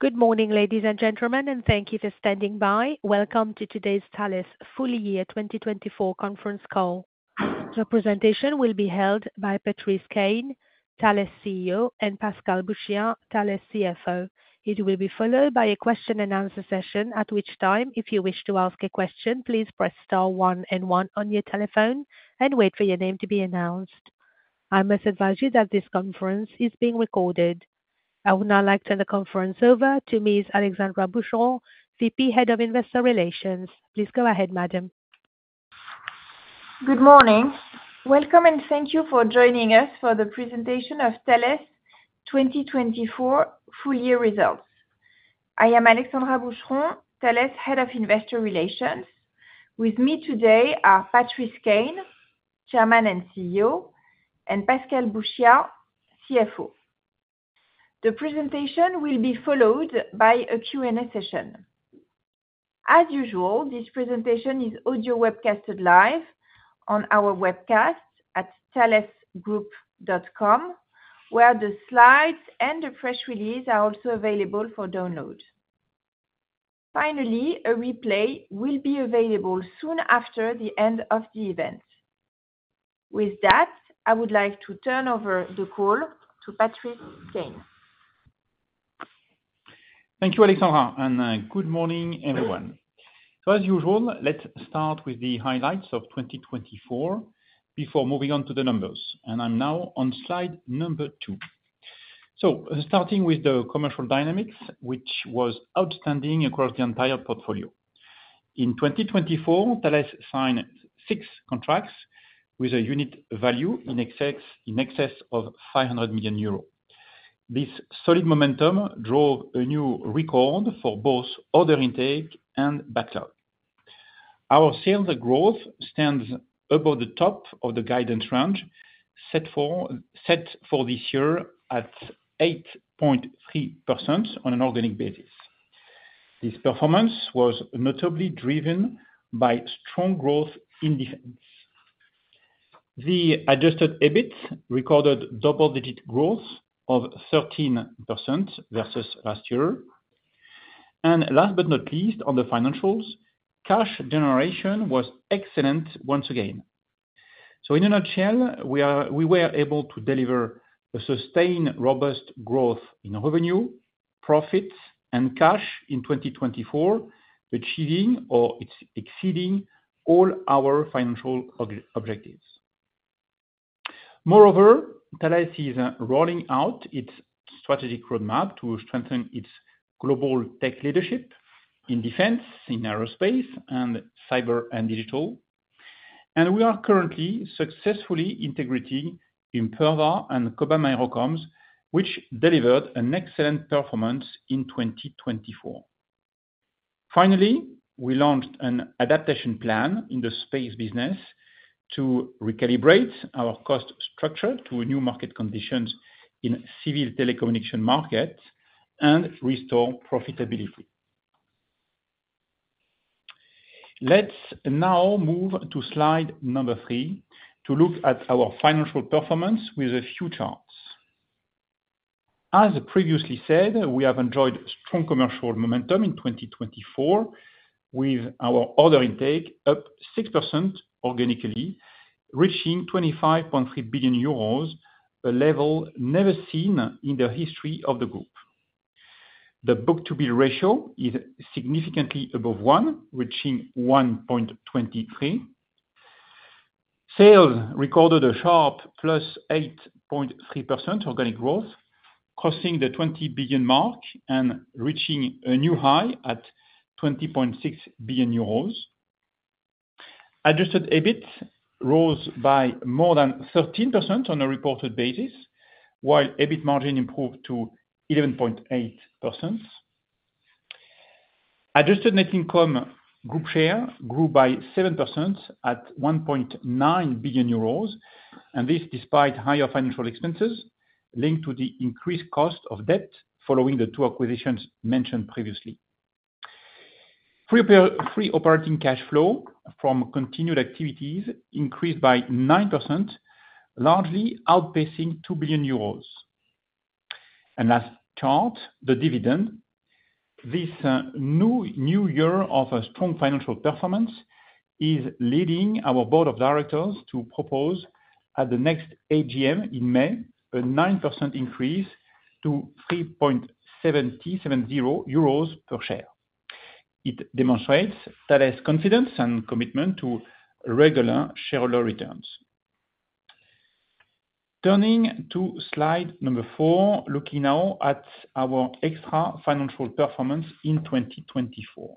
Good morning, ladies and gentlemen, and thank you for standing by. Welcome to today's Thales Full Year 2024 conference call. The presentation will be held by Patrice Caine, Thales CEO, and Pascal Bouchiat, Thales CFO. It will be followed by a question-and-answer session, at which time, if you wish to ask a question, please press star one and one on your telephone and wait for your name to be announced. I must advise you that this conference is being recorded. I would now like to turn the conference over to Ms. Alexandra Boucheron, VP Head of Investor Relations. Please go ahead, madam. Good morning. Welcome, and thank you for joining us for the presentation of Thales 2024 full year results. I am Alexandra Boucheron, Thales Head of Investor Relations. With me today are Patrice Caine, Chairman and CEO, and Pascal Bouchiat, CFO. The presentation will be followed by a Q&A session. As usual, this presentation is audio webcasted live on our webcast at thalesgroup.com, where the slides and the press release are also available for download. Finally, a replay will be available soon after the end of the event. With that, I would like to turn over the call to Patrice Caine. Thank you, Alexandra, and good morning, everyone. As usual, let's start with the highlights of 2024 before moving on to the numbers. I'm now on slide number two. Starting with the commercial dynamics, which was outstanding across the entire portfolio. In 2024, Thales signed six contracts with a unit value in excess of 500 million euros. This solid momentum drove a new record for both order intake and backlog. Our sales growth stands above the top of the guidance range set for this year at 8.3% on an organic basis. This performance was notably driven by strong growth in defense. The Adjusted EBIT recorded double-digit growth of 13% versus last year. Last but not least, on the financials, cash generation was excellent once again. In a nutshell, we were able to deliver a sustained, robust growth in revenue, profits, and cash in 2024, achieving or exceeding all our financial objectives. Moreover, Thales is rolling out its strategic roadmap to strengthen its global tech leadership in defense, in aerospace, and cyber and digital. We are currently successfully integrating Imperva and Cobham AeroComms, which delivered an excellent performance in 2024. Finally, we launched an adaptation plan in the space business to recalibrate our cost structure to new market conditions in the civil telecommunication market and restore profitability. Let's now move to slide number three to look at our financial performance with a few charts. As previously said, we have enjoyed strong commercial momentum in 2024, with our order intake up 6% organically, reaching 25.3 billion euros, a level never seen in the history of the group. The book-to-bill ratio is significantly above one, reaching 1.23. Sales recorded a sharp plus 8.3% organic growth, crossing the 20 billion mark and reaching a new high at 20.6 billion euros. Adjusted EBIT rose by more than 13% on a reported basis, while EBIT margin improved to 11.8%. Adjusted net income group share grew by 7% at 1.9 billion euros, and this despite higher financial expenses linked to the increased cost of debt following the two acquisitions mentioned previously. Free operating cash flow from continued activities increased by 9%, largely outpacing 2 billion euros. And last chart, the dividend. This new year of strong financial performance is leading our board of directors to propose at the next AGM in May a 9% increase to 3.70 euros per share. It demonstrates Thales' confidence and commitment to regular shareholder returns. Turning to slide number four, looking now at our extrafinancial performance in 2024.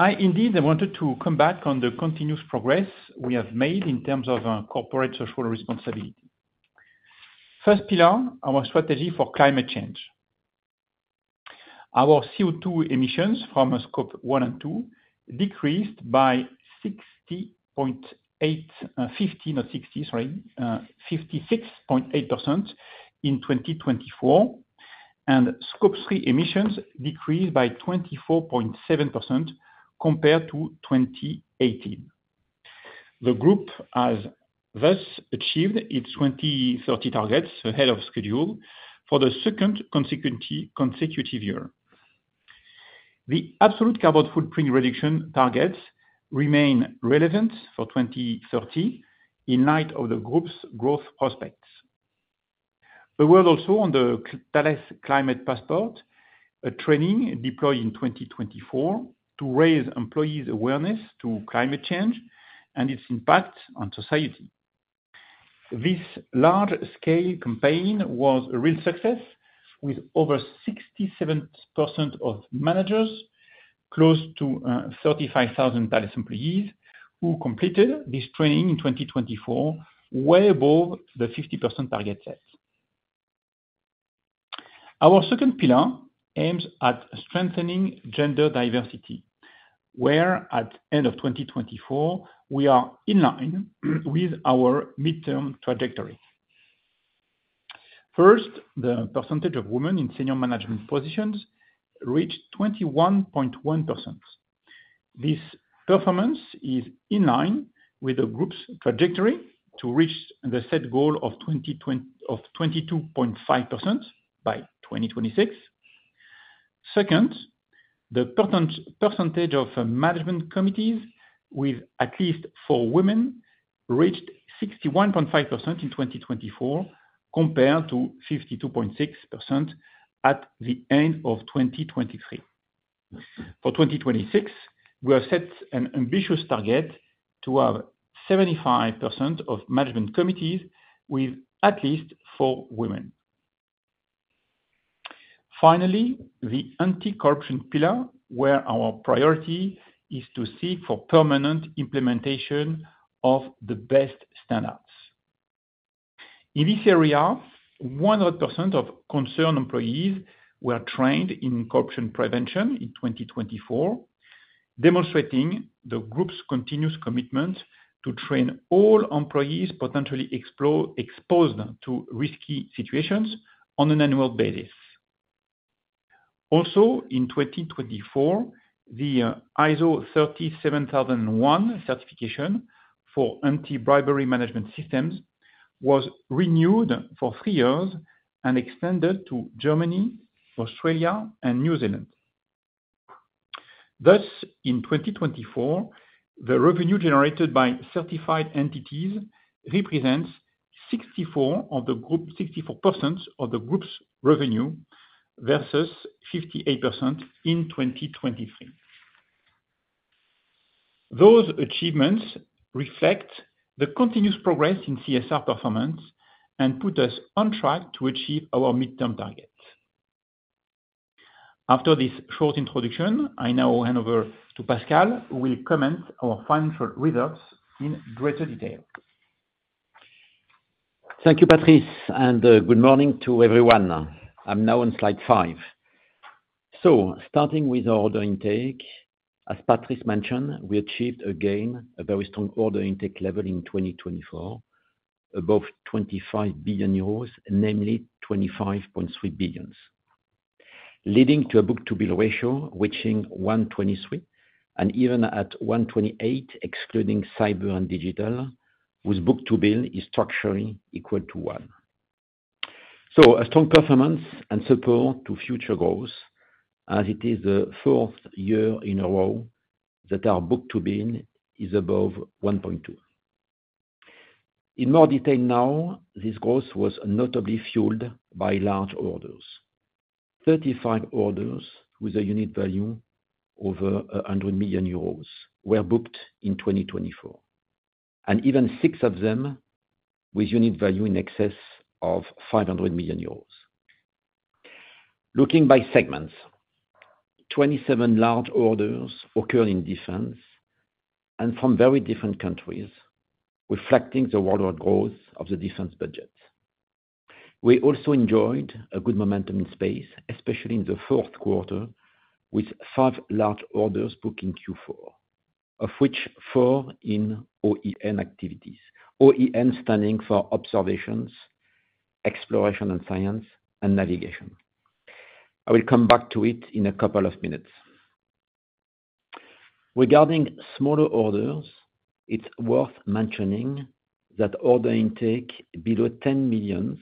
I indeed wanted to come back on the continuous progress we have made in terms of corporate social responsibility. First pillar, our strategy for climate change. Our CO2 emissions from Scope 1 and 2 decreased by 56.8% in 2024, and Scope 3 emissions decreased by 24.7% compared to 2018. The group has thus achieved its 2030 targets ahead of schedule for the second consecutive year. The absolute carbon footprint reduction targets remain relevant for 2030 in light of the group's growth prospects. A word also on the Thales Climate Passport, a training deployed in 2024 to raise employees' awareness to climate change and its impact on society. This large-scale campaign was a real success, with over 67% of managers, close to 35,000 Thales employees who completed this training in 2024, way above the 50% target set. Our second pillar aims at strengthening gender diversity, where at the end of 2024, we are in line with our midterm trajectory. First, the percentage of women in senior management positions reached 21.1%. This performance is in line with the group's trajectory to reach the set goal of 22.5% by 2026. Second, the percentage of management committees with at least four women reached 61.5% in 2024, compared to 52.6% at the end of 2023. For 2026, we have set an ambitious target to have 75% of management committees with at least four women. Finally, the anti-corruption pillar, where our priority is to seek for permanent implementation of the best standards. In this area, 100% of concerned employees were trained in corruption prevention in 2024, demonstrating the group's continuous commitment to train all employees potentially exposed to risky situations on an annual basis. Also, in 2024, the ISO 37001 certification for anti-bribery management systems was renewed for three years and extended to Germany, Australia, and New Zealand. Thus, in 2024, the revenue generated by certified entities represents 64% of the group's revenue versus 58% in 2023. Those achievements reflect the continuous progress in CSR performance and put us on track to achieve our midterm target. After this short introduction, I now hand over to Pascal, who will comment on our financial results in greater detail. Thank you, Patrice, and good morning to everyone. I'm now on slide five, so starting with our order intake, as Patrice mentioned, we achieved again a very strong order intake level in 2024, above 25 billion euros, namely 25.3 billion, leading to a book-to-bill ratio reaching 123, and even at 128, excluding cyber and digital, with book-to-bill structurally equal to one, so a strong performance and support to future growth, as it is the fourth year in a row that our book-to-bill is above 1.2. In more detail now, this growth was notably fueled by large orders. 35 orders with a unit value over 100 million euros were booked in 2024, and even six of them with unit value in excess of 500 million euros. Looking by segments, 27 large orders occurred in defense and from very different countries, reflecting the worldwide growth of the defense budget. We also enjoyed a good momentum in space, especially in the fourth quarter, with five large orders booked in Q4, of which four in OEN activities, OEN standing for observations, exploration, and science, and navigation. I will come back to it in a couple of minutes. Regarding smaller orders, it's worth mentioning that order intake below 10 million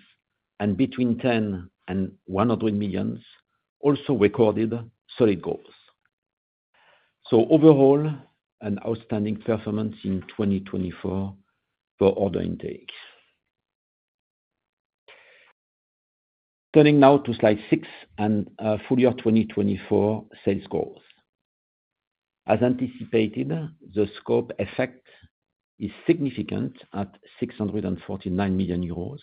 and between 10 and 100 million also recorded solid growth. So, overall, an outstanding performance in 2024 for order intake. Turning now to slide six and full year 2024 sales growth. As anticipated, the scope effect is significant at 649 million euros,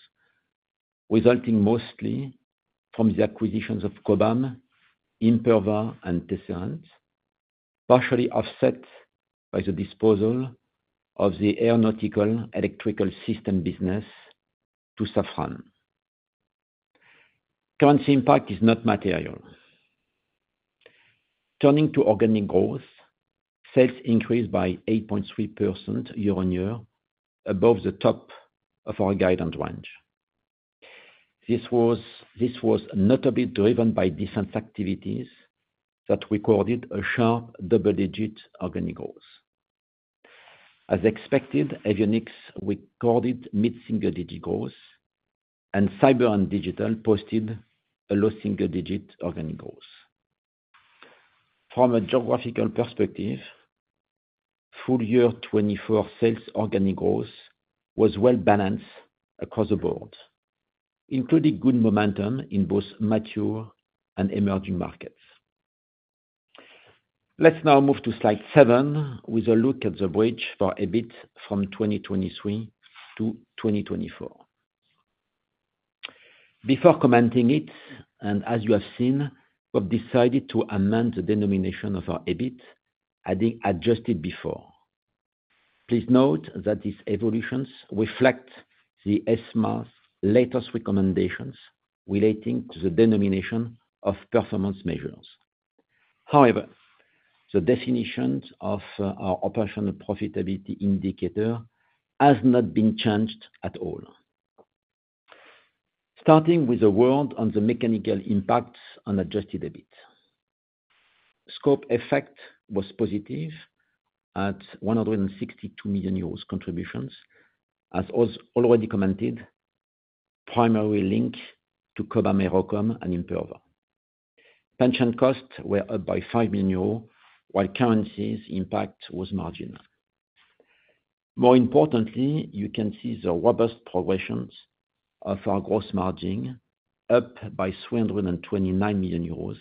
resulting mostly from the acquisitions of Cobham, Imperva, and Tesserent, partially offset by the disposal of the aeronautical electrical system business to Safran. Currency impact is not material. Turning to organic growth, sales increased by 8.3% year on year, above the top of our guidance range. This was notably driven by defense activities that recorded a sharp double-digit organic growth. As expected, avionics recorded mid-single-digit growth, and cyber and digital posted a low single-digit organic growth. From a geographical perspective, full year 2024 sales organic growth was well-balanced across the board, including good momentum in both mature and emerging markets. Let's now move to slide seven with a look at the bridge for EBIT from 2023 to 2024. Before commenting it, and as you have seen, we have decided to amend the denomination of our EBIT, adding adjusted before. Please note that these evolutions reflect the ESMA's latest recommendations relating to the denomination of performance measures. However, the definition of our operational profitability indicator has not been changed at all. Starting with a word on the mechanical impacts on adjusted EBIT. Scope effect was positive at 162 million euros contributions, as already commented, primarily linked to Cobham AeroComms and Imperva. Pension costs were up by 5 million euros, while currencies impact was marginal. More importantly, you can see the robust progressions of our gross margin up by 329 million euros,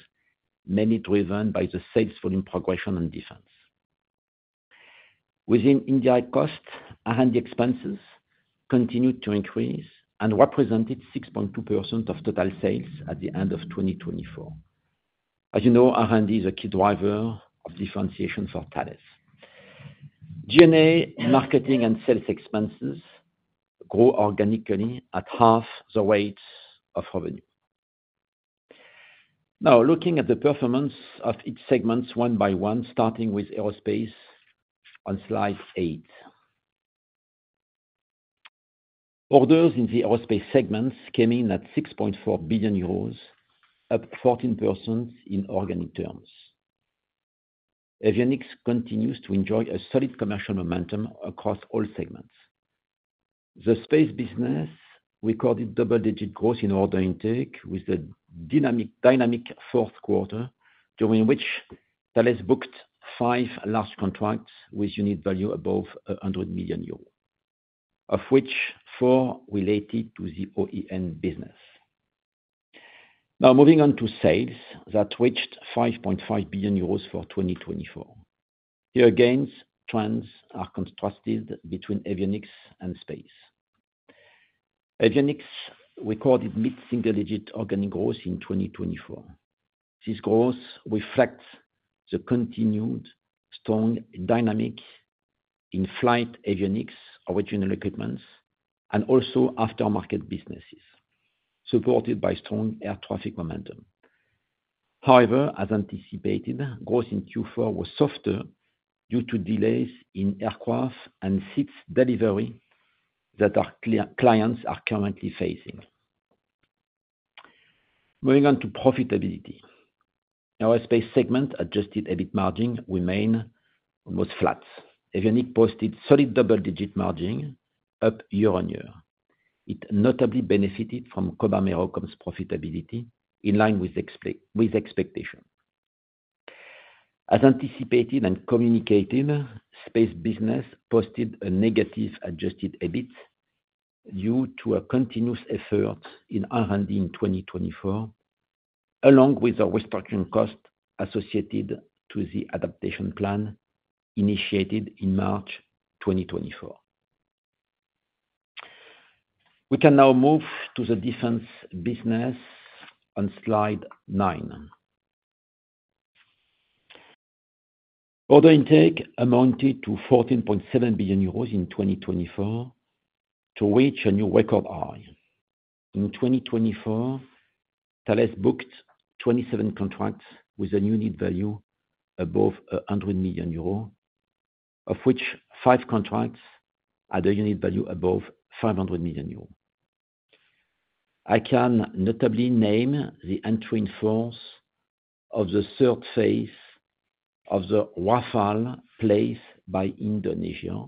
mainly driven by the sales volume progression in defense. Within indirect costs, R&D expenses continued to increase and represented 6.2% of total sales at the end of 2024. As you know, R&D is a key driver of differentiation for Thales. G&A marketing and sales expenses grow organically at half the weight of revenue. Now, looking at the performance of each segment one by one, starting with aerospace on slide eight. Orders in the aerospace segments came in at 6.4 billion euros, up 14% in organic terms. Avionics continues to enjoy a solid commercial momentum across all segments. The space business recorded double-digit growth in order intake with a dynamic fourth quarter, during which Thales booked five large contracts with unit value above 100 million euros, of which four related to the OEN business. Now, moving on to sales that reached 5.5 billion euros for 2024. Here again, trends are contrasted between avionics and space. Avionics recorded mid-single-digit organic growth in 2024. This growth reflects the continued strong dynamic in flight avionics, original equipment, and also aftermarket businesses, supported by strong air traffic momentum. However, as anticipated, growth in Q4 was softer due to delays in aircraft and seats delivery that our clients are currently facing. Moving on to profitability. Aerospace segment adjusted EBIT margin remained almost flat. Avionics posted solid double-digit margin, up year on year. It notably benefited from Cobham Aerospace Communications' profitability in line with expectation. As anticipated and communicated, space business posted a negative adjusted EBIT due to a continuous effort in R&D in 2024, along with the restructuring cost associated to the adaptation plan initiated in March 2024. We can now move to the defense business on slide nine. Order intake amounted to 14.7 billion euros in 2024, to reach a new record high. In 2024, Thales booked 27 contracts with a unit value above 100 million euros, of which five contracts had a unit value above 500 million euros. I can notably name the entry in force of the third phase of the Rafale placed by Indonesia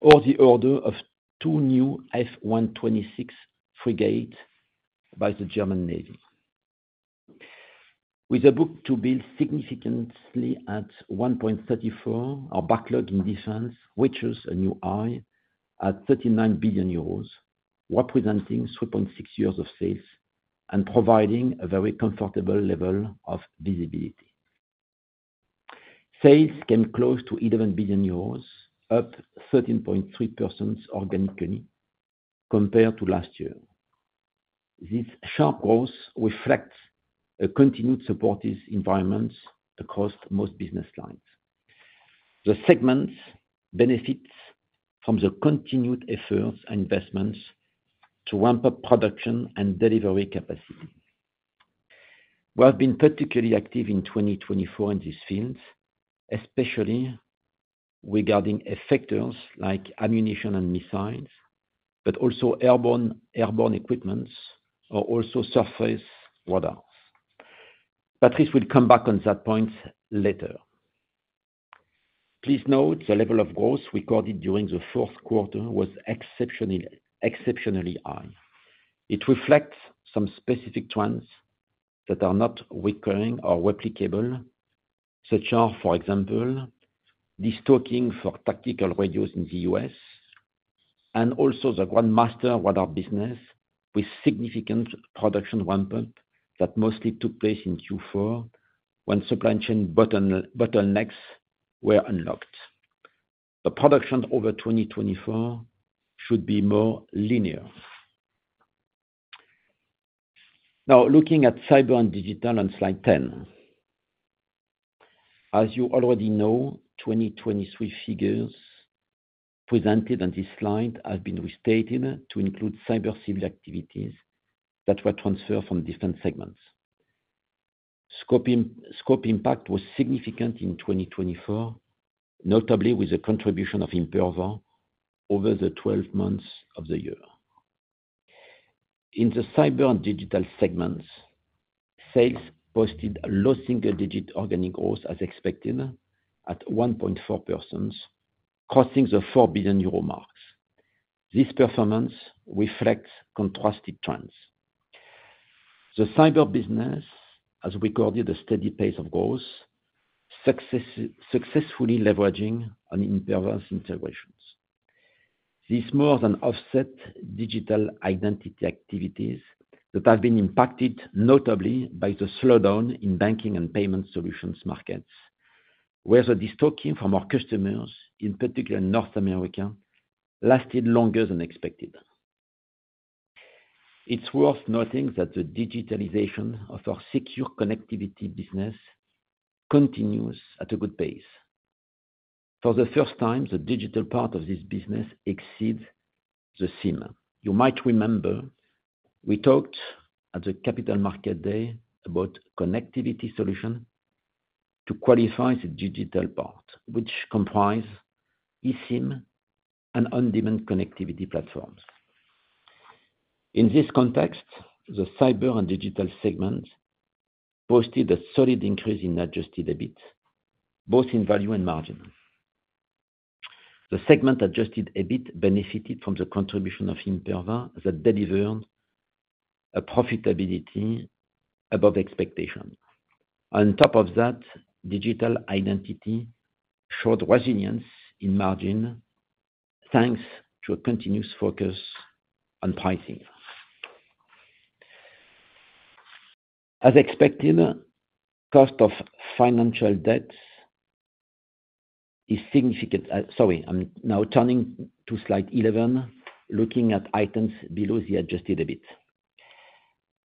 or the order of two new F126 frigates by the German Navy. With a book-to-bill significantly at 1.34, our backlog in defense reaches a new high at 39 billion euros, representing 3.6 years of sales and providing a very comfortable level of visibility. Sales came close to 11 billion euros, up 13.3% organically compared to last year. This sharp growth reflects a continued supportive environment across most business lines. The segments benefit from the continued efforts and investments to ramp up production and delivery capacity. We have been particularly active in 2024 in this field, especially regarding effectors like ammunition and missiles, but also airborne equipments or also surface radars. Patrice will come back on that point later. Please note the level of growth recorded during the fourth quarter was exceptionally high. It reflects some specific trends that are not recurring or replicable, such as, for example, the stocking for tactical radios in the U.S. and also the Ground Master radar business with significant production ramp-up that mostly took place in Q4 when supply chain bottlenecks were unlocked. The production over 2024 should be more linear. Now, looking at cyber and digital on slide 10. As you already know, 2023 figures presented on this slide have been restated to include cyber civil activities that were transferred from different segments. Scope impact was significant in 2024, notably with the contribution of Imperva over the 12 months of the year. In the cyber and digital segments, sales posted low single-digit organic growth as expected at 1.4%, crossing the 4 billion euro mark. This performance reflects contrasted trends. The cyber business has recorded a steady pace of growth, successfully leveraging on Imperva's integrations. This more than offsets digital identity activities that have been impacted notably by the slowdown in banking and payment solutions markets, where the stocking from our customers, in particular North America, lasted longer than expected. It's worth noting that the digitalization of our secure connectivity business continues at a good pace. For the first time, the digital part of this business exceeds the SIM. You might remember we talked at the Capital Market Day about connectivity solutions to qualify the digital part, which comprised eSIM and on-demand connectivity platforms. In this context, the cyber and digital segments posted a solid increase in adjusted EBIT, both in value and margin. The segment adjusted EBIT benefited from the contribution of Imperva that delivered a profitability above expectation. On top of that, digital identity showed resilience in margin thanks to a continuous focus on pricing. As expected, cost of financial debt is significant. Sorry, I'm now turning to slide 11, looking at items below the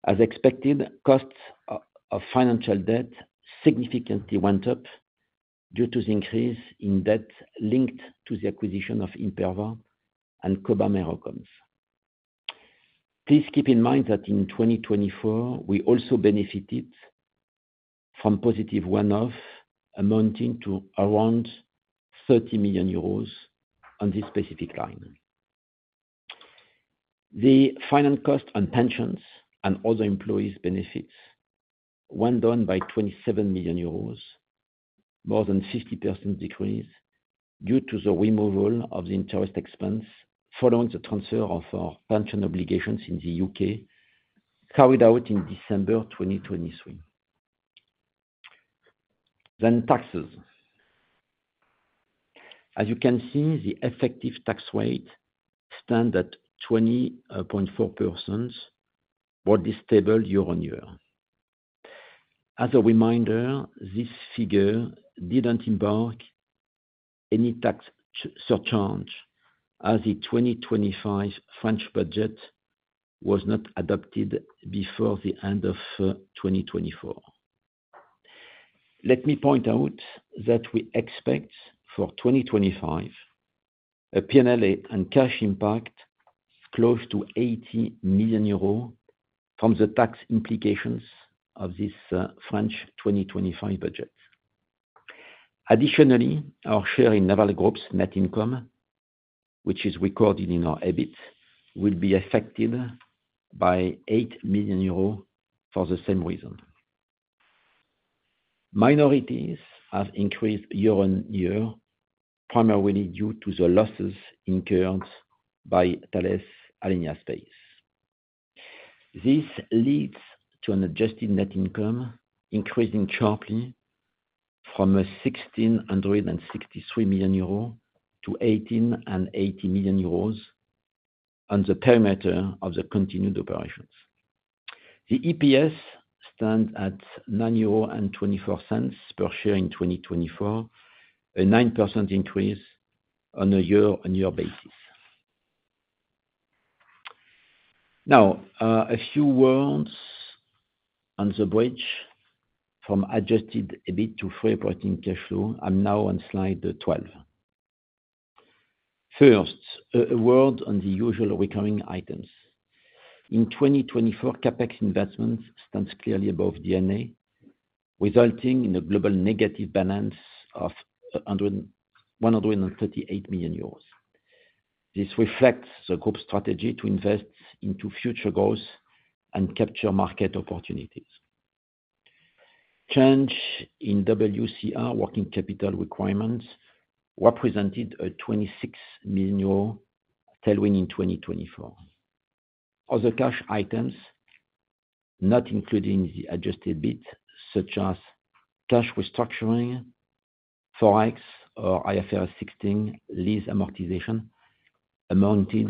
adjusted EBIT. As expected, costs of financial debt significantly went up due to the increase in debt linked to the acquisition of Imperva and Cobham AeroComms. Please keep in mind that in 2024, we also benefited from positive one-off amounting to around 30 million euros on this specific line. The final cost on pensions and other employees' benefits went down by 27 million euros, more than 50% decrease due to the removal of the interest expense following the transfer of our pension obligations in the U.K., carried out in December 2023. Then taxes. As you can see, the effective tax rate stands at 20.4%, more stable year on year. As a reminder, this figure didn't include any tax surcharge as the 2025 French budget was not adopted before the end of 2024. Let me point out that we expect for 2025 a P&L and cash impact close to 80 million euros from the tax implications of this French 2025 budget. Additionally, our share in Naval Group's net income, which is recorded in our EBIT, will be affected by 8 million euros for the same reason. Minorities have increased year on year, primarily due to the losses incurred by Thales Alenia Space. This leads to an adjusted net income increasing sharply from 1,663 million euros to 1,880 million euros on the perimeter of the continued operations. The EPS stands at 9.24 euro per share in 2024, a 9% increase on a year-on-year basis. Now, a few words on the bridge from adjusted EBIT to free operating cash flow. I'm now on slide 12. First, a word on the usual recurring items. In 2024, CapEx investments stand clearly above G&A, resulting in a global negative balance of 138 million euros. This reflects the group's strategy to invest into future growth and capture market opportunities. Change in WCR, working capital requirements, represented a 26 million tailwind in 2024. Other cash items, not including the adjusted EBIT, such as cash restructuring, Forex, or IFRS 16 lease amortization, amounted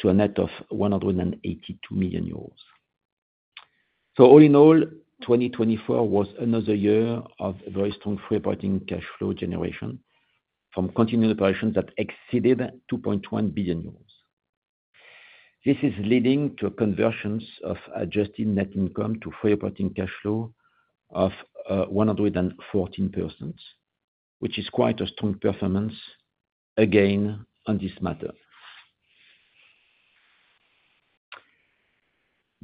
to a net of 182 million euros. So all in all, 2024 was another year of very strong free operating cash flow generation from continued operations that exceeded 2.1 billion euros. This is leading to a convergence of adjusted net income to free operating cash flow of 114%, which is quite a strong performance again on this matter.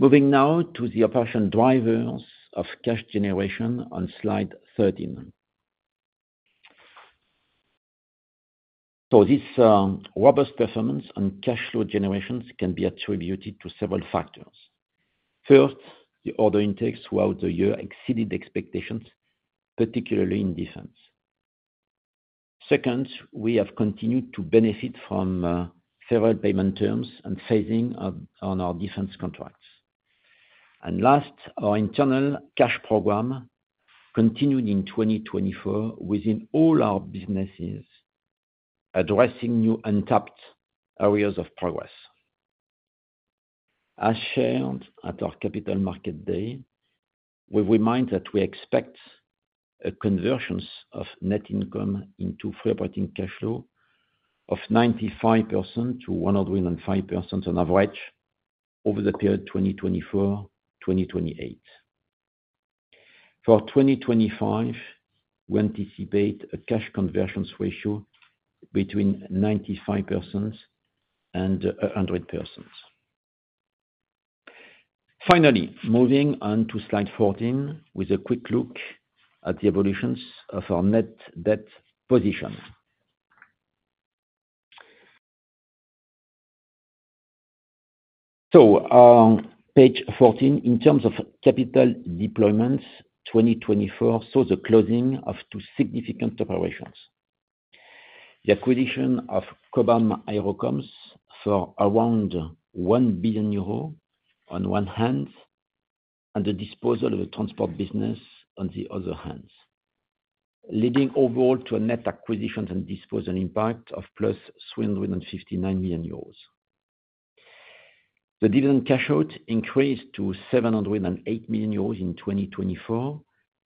Moving now to the operational drivers of cash generation on slide 13. So this robust performance on cash flow generation can be attributed to several factors. First, the order intake throughout the year exceeded expectations, particularly in defense. Second, we have continued to benefit from favorable payment terms and phasing on our defense contracts. And last, our internal cash program continued in 2024 within all our businesses, addressing new untapped areas of progress. As shared at our Capital Market Day, we remind that we expect a convergence of net income into free operating cash flow of 95%-105% on average over the period 2024-2028. For 2025, we anticipate a cash conversion ratio between 95% and 100%. Finally, moving on to slide 14 with a quick look at the evolutions of our net debt position, so page 14, in terms of capital deployments, 2024 saw the closing of two significant operations. The acquisition of Cobham AeroComms for around 1 billion euros on one hand and the disposal of the transport business on the other hand, leading overall to a net acquisition and disposal impact of plus 359 million euros. The dividend cash out increased to 708 million euros in 2024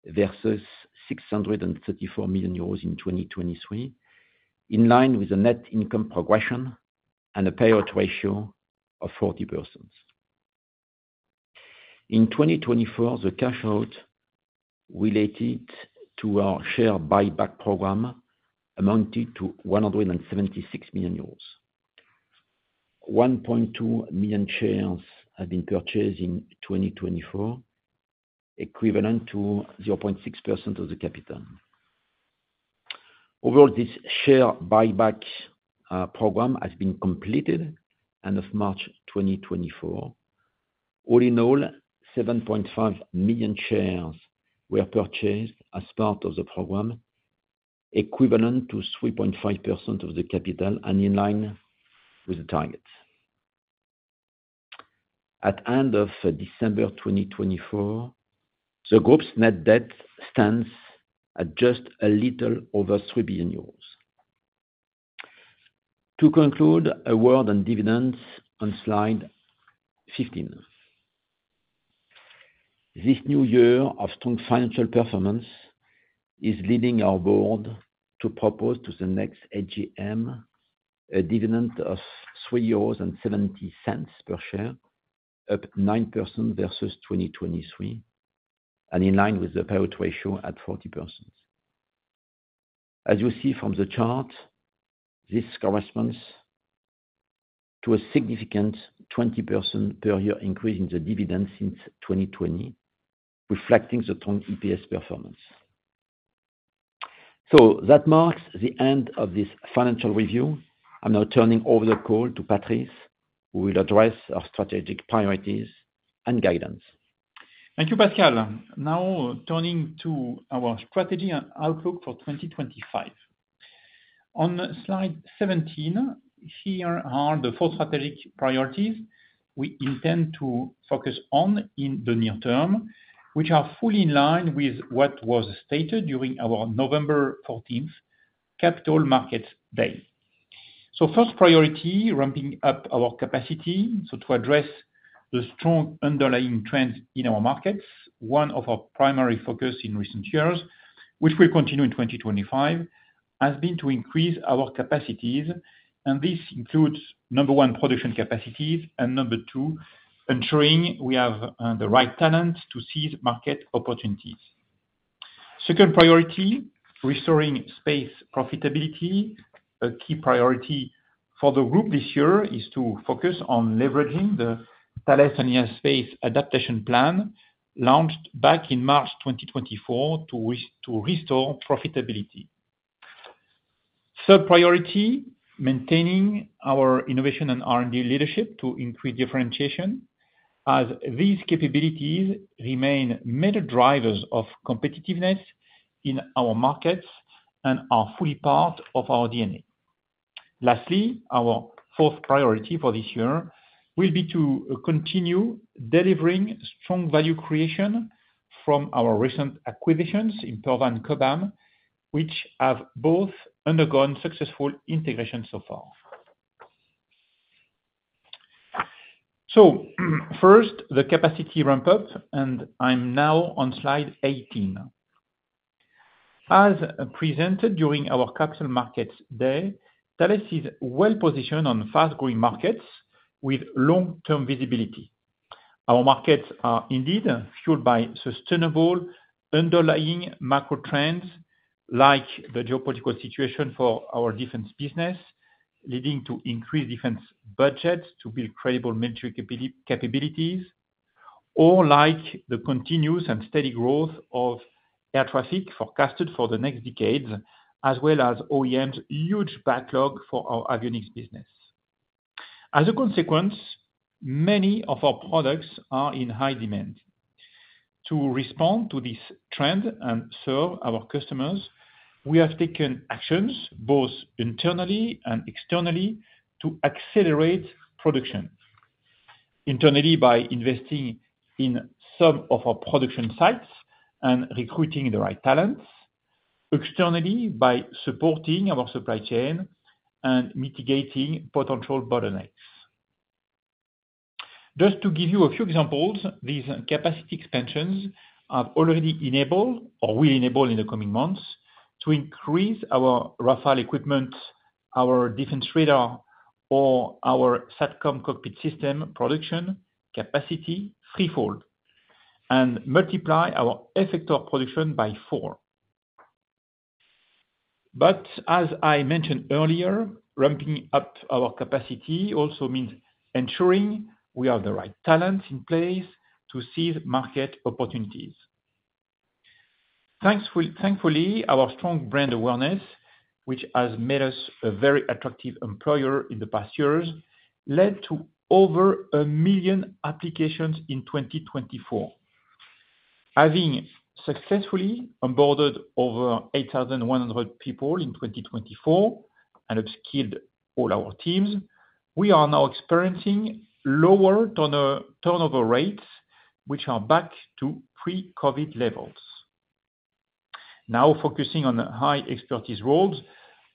versus 634 million euros in 2023, in line with the net income progression and a payout ratio of 40%. In 2024, the cash out related to our share buyback program amounted to 176 million euros. 1.2 million shares have been purchased in 2024, equivalent to 0.6% of the capital. Overall, this share buyback program has been completed end of March 2024. All in all, 7.5 million shares were purchased as part of the program, equivalent to 3.5% of the capital and in line with the target. At the end of December 2024, the group's net debt stands at just a little over 3 billion euros. To conclude, a word on dividends on slide 15. This new year of strong financial performance is leading our board to propose to the next AGM a dividend of 3.70 euros per share, up 9% versus 2023, and in line with the payout ratio at 40%. As you see from the chart, this corresponds to a significant 20% per year increase in the dividend since 2020, reflecting the strong EPS performance. So that marks the end of this financial review. I'm now turning over the call to Patrice, who will address our strategic priorities and guidance. Thank you, Pascal. Now turning to our strategy and outlook for 2025. On slide 17, here are the four strategic priorities we intend to focus on in the near term, which are fully in line with what was stated during our November 14th Capital Markets Day. So first priority, ramping up our capacity to address the strong underlying trends in our markets. One of our primary focuses in recent years, which will continue in 2025, has been to increase our capacities. This includes number one, production capacities, and number two, ensuring we have the right talent to seize market opportunities. Second priority, restoring space profitability. A key priority for the group this year is to focus on leveraging the Thales Alenia Space adaptation plan launched back in March 2024 to restore profitability. Third priority, maintaining our innovation and R&D leadership to increase differentiation, as these capabilities remain major drivers of competitiveness in our markets and are fully part of our DNA. Lastly, our fourth priority for this year will be to continue delivering strong value creation from our recent acquisitions in Imperva and Cobham, which have both undergone successful integration so far. First, the capacity ramp-up, and I'm now on slide 18. As presented during our Capital Markets Day, Thales is well-positioned on fast-growing markets with long-term visibility. Our markets are indeed fueled by sustainable underlying macro trends like the geopolitical situation for our defense business, leading to increased defense budgets to build credible military capabilities, or like the continuous and steady growth of air traffic forecasted for the next decades, as well as OEM's huge backlog for our avionics business. As a consequence, many of our products are in high demand. To respond to this trend and serve our customers, we have taken actions both internally and externally to accelerate production. Internally, by investing in some of our production sites and recruiting the right talents. Externally, by supporting our supply chain and mitigating potential bottlenecks. Just to give you a few examples, these capacity expansions have already enabled, or will enable in the coming months, to increase our Rafale equipment, our defense radar, or our SATCOM cockpit system production capacity threefold and multiply our effector production by four. But as I mentioned earlier, ramping up our capacity also means ensuring we have the right talents in place to seize market opportunities. Thankfully, our strong brand awareness, which has made us a very attractive employer in the past years, led to over a million applications in 2024. Having successfully onboarded over 8,100 people in 2024 and upskilled all our teams, we are now experiencing lower turnover rates, which are back to pre-COVID levels. Now focusing on high-expertise roles,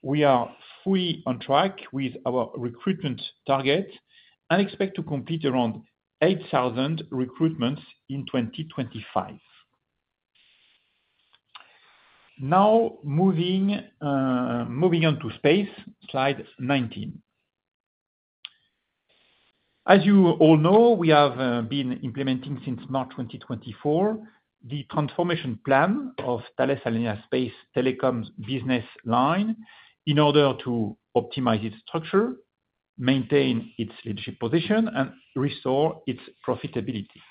we are fully on track with our recruitment target and expect to complete around 8,000 recruitments in 2025. Now moving on to space, slide 19. As you all know, we have been implementing since March 2024 the transformation plan of Thales Alenia Space's telecom business line in order to optimize its structure, maintain its leadership position, and restore its profitability.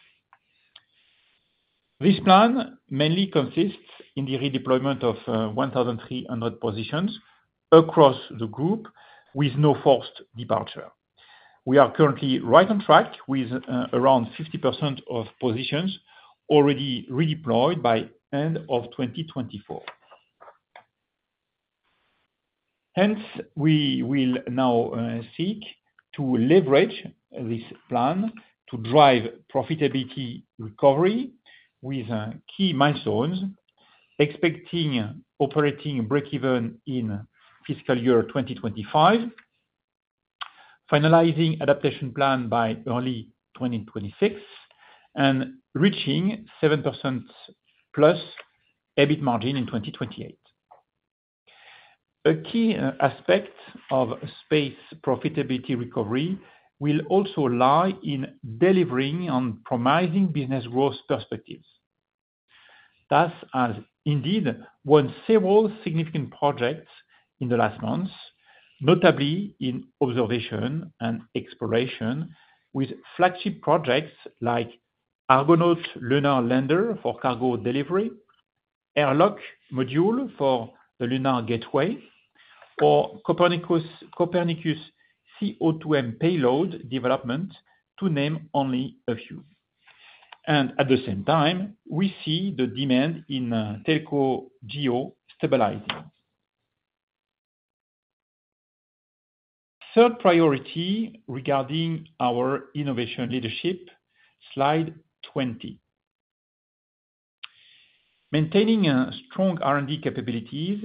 This plan mainly consists in the redeployment of 1,300 positions across the group with no forced departure. We are currently right on track with around 50% of positions already redeployed by the end of 2024. Hence, we will now seek to leverage this plan to drive profitability recovery with key milestones, expecting operating break-even in fiscal year 2025, finalizing adaptation plan by early 2026, and reaching 7% plus EBIT margin in 2028. A key aspect of space profitability recovery will also lie in delivering on promising business growth perspectives. Thus, we have indeed won several significant projects in the last months, notably in observation and exploration with flagship projects like Argonaut lunar lander for cargo delivery, Airlock module for the Lunar Gateway, or Copernicus CO2M payload development, to name only a few. And at the same time, we see the demand in Telco GEO stabilizing. Third priority regarding our innovation leadership, slide 20. Maintaining strong R&D capabilities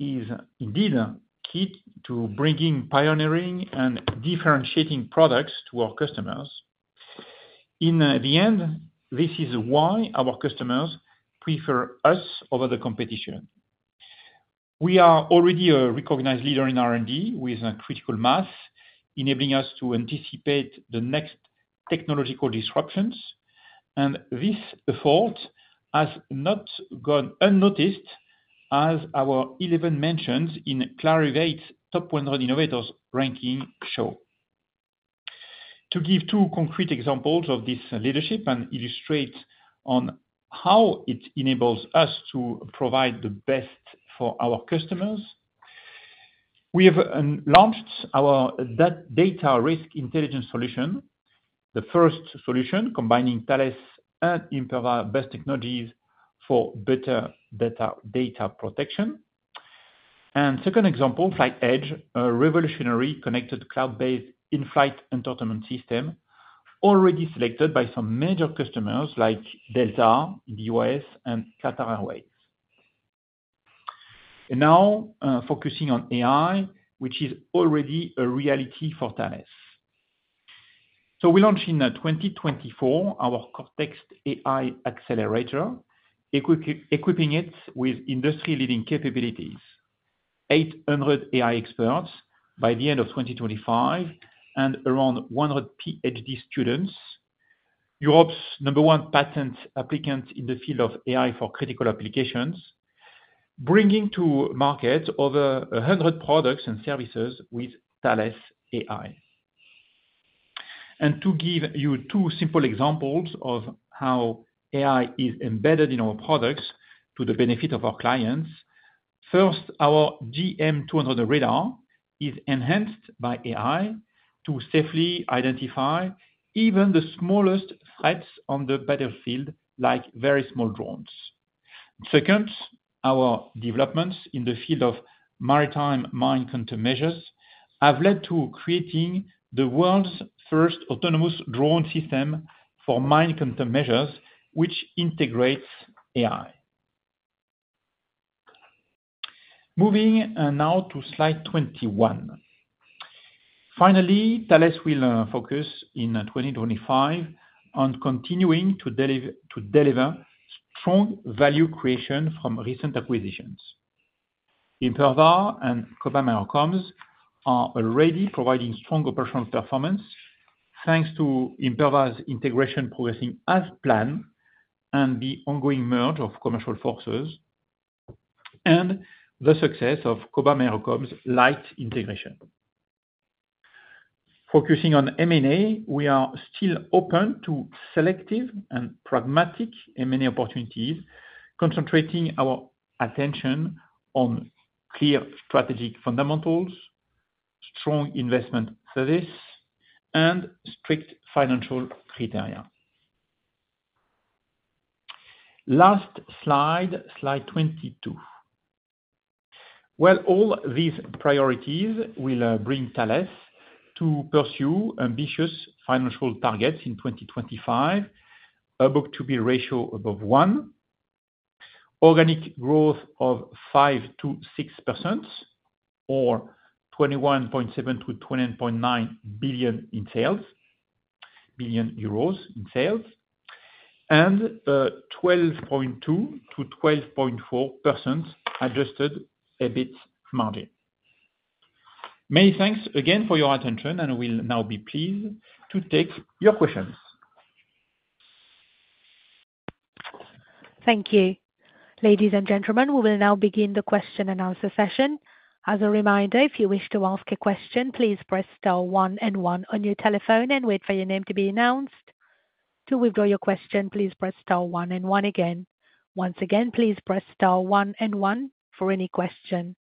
is indeed key to bringing pioneering and differentiating products to our customers. In the end, this is why our customers prefer us over the competition. We are already a recognized leader in R&D with a critical mass, enabling us to anticipate the next technological disruptions. And this effort has not gone unnoticed, as our 11 mentions in Clarivate's Top 100 Innovators ranking show. To give two concrete examples of this leadership and illustrate on how it enables us to provide the best for our customers, we have launched our data risk intelligence solution, the first solution combining Thales and Imperva best technologies for better data protection. And second example, FlytEdge, a revolutionary connected cloud-based in-flight entertainment system, already selected by some major customers like Delta in the U.S. and Qatar Airways. And now focusing on AI, which is already a reality for Thales. So we launched in 2024 our CortAIx Accelerator, equipping it with industry-leading capabilities, 800 AI experts by the end of 2025, and around 100 PhD students, Europe's number one patent applicant in the field of AI for critical applications, bringing to market over 100 products and services with Thales AI. And to give you two simple examples of how AI is embedded in our products to the benefit of our clients, first, our GM200 radar is enhanced by AI to safely identify even the smallest threats on the battlefield, like very small drones. Second, our developments in the field of maritime mine countermeasures have led to creating the world's first autonomous drone system for mine countermeasures, which integrates AI. Moving now to slide 21. Finally, Thales will focus in 2025 on continuing to deliver strong value creation from recent acquisitions. Imperva and Cobham AeroComms are already providing strong operational performance thanks to Imperva's integration progressing as planned and the ongoing merge of commercial forces and the success of Cobham AeroComms light integration. Focusing on M&A, we are still open to selective and pragmatic M&A opportunities, concentrating our attention on clear strategic fundamentals, strong investment service, and strict financial criteria. Last slide, slide 22. Well, all these priorities will bring Thales to pursue ambitious financial targets in 2025, book-to-bill ratio above one, organic growth of 5%-6%, of EUR 21.7-EUR 29.9 billion in sales, and 12.2%-12.4% adjusted EBIT margin. Many thanks again for your attention, and we'll now be pleased to take your questions. Thank you. Ladies and gentlemen, we will now begin the question and answer session. As a reminder, if you wish to ask a question, please press star one and one on your telephone and wait for your name to be announced. To withdraw your question, please press star one and one again. Once again, please press star one and one for any question.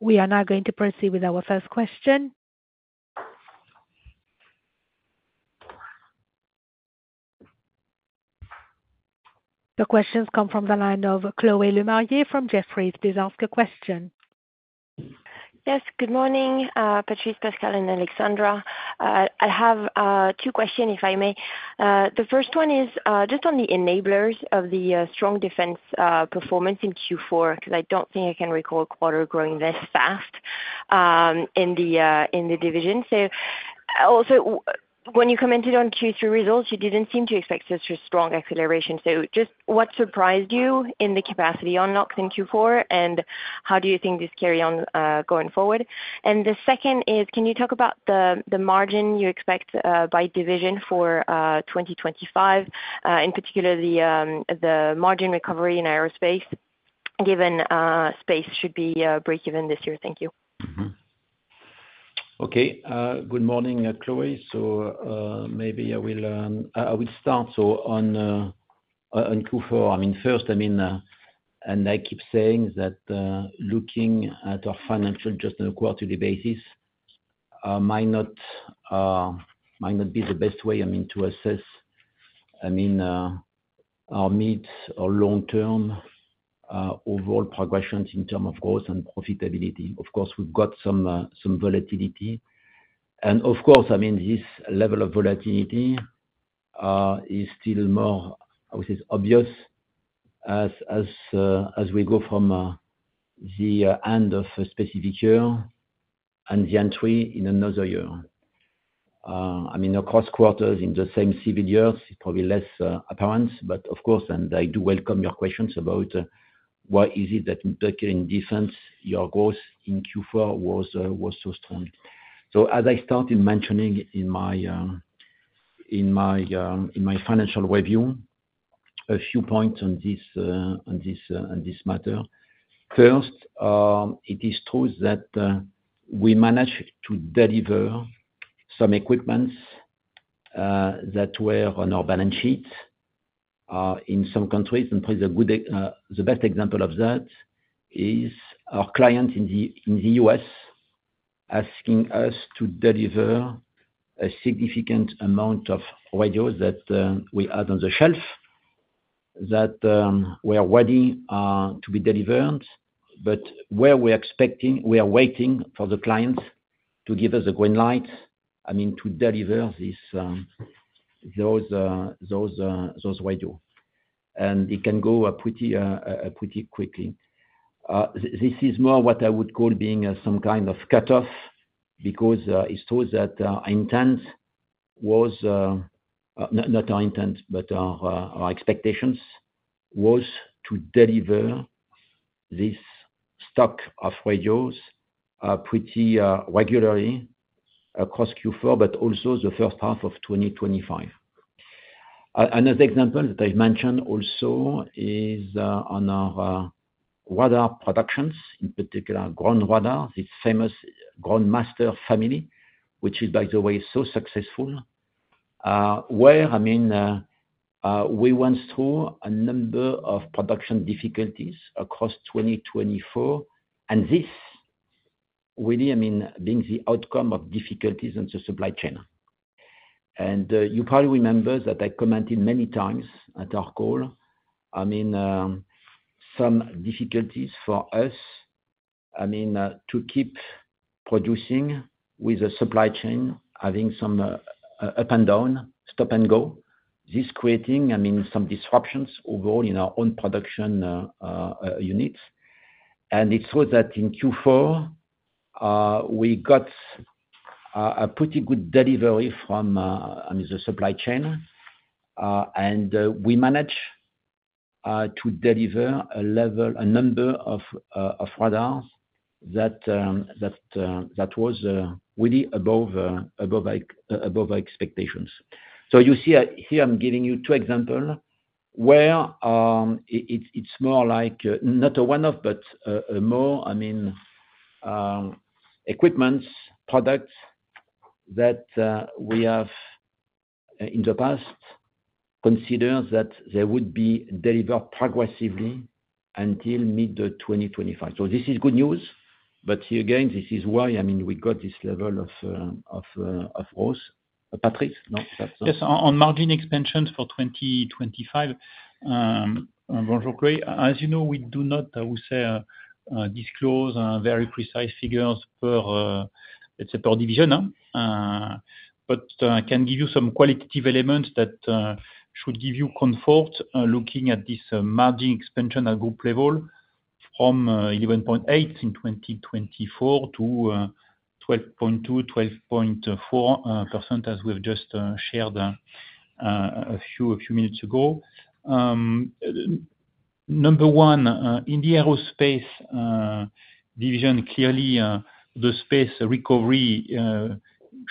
We are now going to proceed with our first question. The question comes from the line of Chloé Lemarié from Jefferies. Please ask a question. Yes, good morning, Patrice, Pascal, and Alexandra. I have two questions, if I may. The first one is just on the enablers of the strong defense performance in Q4, because I don't think I can recall a quarter growing this fast in the division. So also, when you commented on Q3 results, you didn't seem to expect such a strong acceleration. So just what surprised you in the capacity unlocked in Q4, and how do you think this carry on going forward? And the second is, can you talk about the margin you expect by division for 2025, in particular the margin recovery in aerospace, given space should be break-even this year? Thank you. Okay. Good morning, Chloé. So maybe I will start on Q4. I mean, first, I mean, and I keep saying that looking at our financial just on a quarterly basis might not be the best way, I mean, to assess, I mean, our mid or long-term overall progressions in terms of growth and profitability. Of course, we've got some volatility, and of course, I mean, this level of volatility is still more, I would say, obvious as we go from the end of a specific year and the entry in another year. I mean, across quarters in the same civil years, it's probably less apparent, but of course, and I do welcome your questions about what is it that in defense your growth in Q4 was so strong? So as I started mentioning in my financial review, a few points on this matter. First, it is true that we managed to deliver some equipment that was on our balance sheet in some countries. And the best example of that is our client in the U.S. asking us to deliver a significant amount of radios that we had on the shelf that were ready to be delivered, but where we are waiting for the clients to give us a green light, I mean, to deliver those radios. And it can go pretty quickly. This is more what I would call being some kind of cutoff because it shows that our intent was not our intent, but our expectations was to deliver this stock of radios pretty regularly across Q4, but also the first half of 2025. Another example that I've mentioned also is on our radar productions, in particular, Ground Radar, this famous Ground Master family, which is, by the way, so successful, where, I mean, we went through a number of production difficulties across 2024, and this really, I mean, being the outcome of difficulties in the supply chain, and you probably remember that I commented many times at our call, I mean, some difficulties for us, I mean, to keep producing with the supply chain having some up and down, stop and go, this creating, I mean, some disruptions overall in our own production units, and it's true that in Q4, we got a pretty good delivery from, I mean, the supply chain, and we managed to deliver a number of radars that was really above our expectations. So you see here, I'm giving you two examples where it's more like not a one-off, but more, I mean, equipment products that we have in the past considered that they would be delivered progressively until mid-2025. So this is good news. But here again, this is why, I mean, we got this level of growth. Patrice? No, that's all. Yes, on margin expansions for 2025. Bonjour, Chloé. As you know, we do not, I would say, disclose very precise figures per division. But I can give you some qualitative elements that should give you comfort looking at this margin expansion at group level from 11.8% in 2024 to 12.2%-12.4%, as we've just shared a few minutes ago. Number one, in the aerospace division, clearly, the space recovery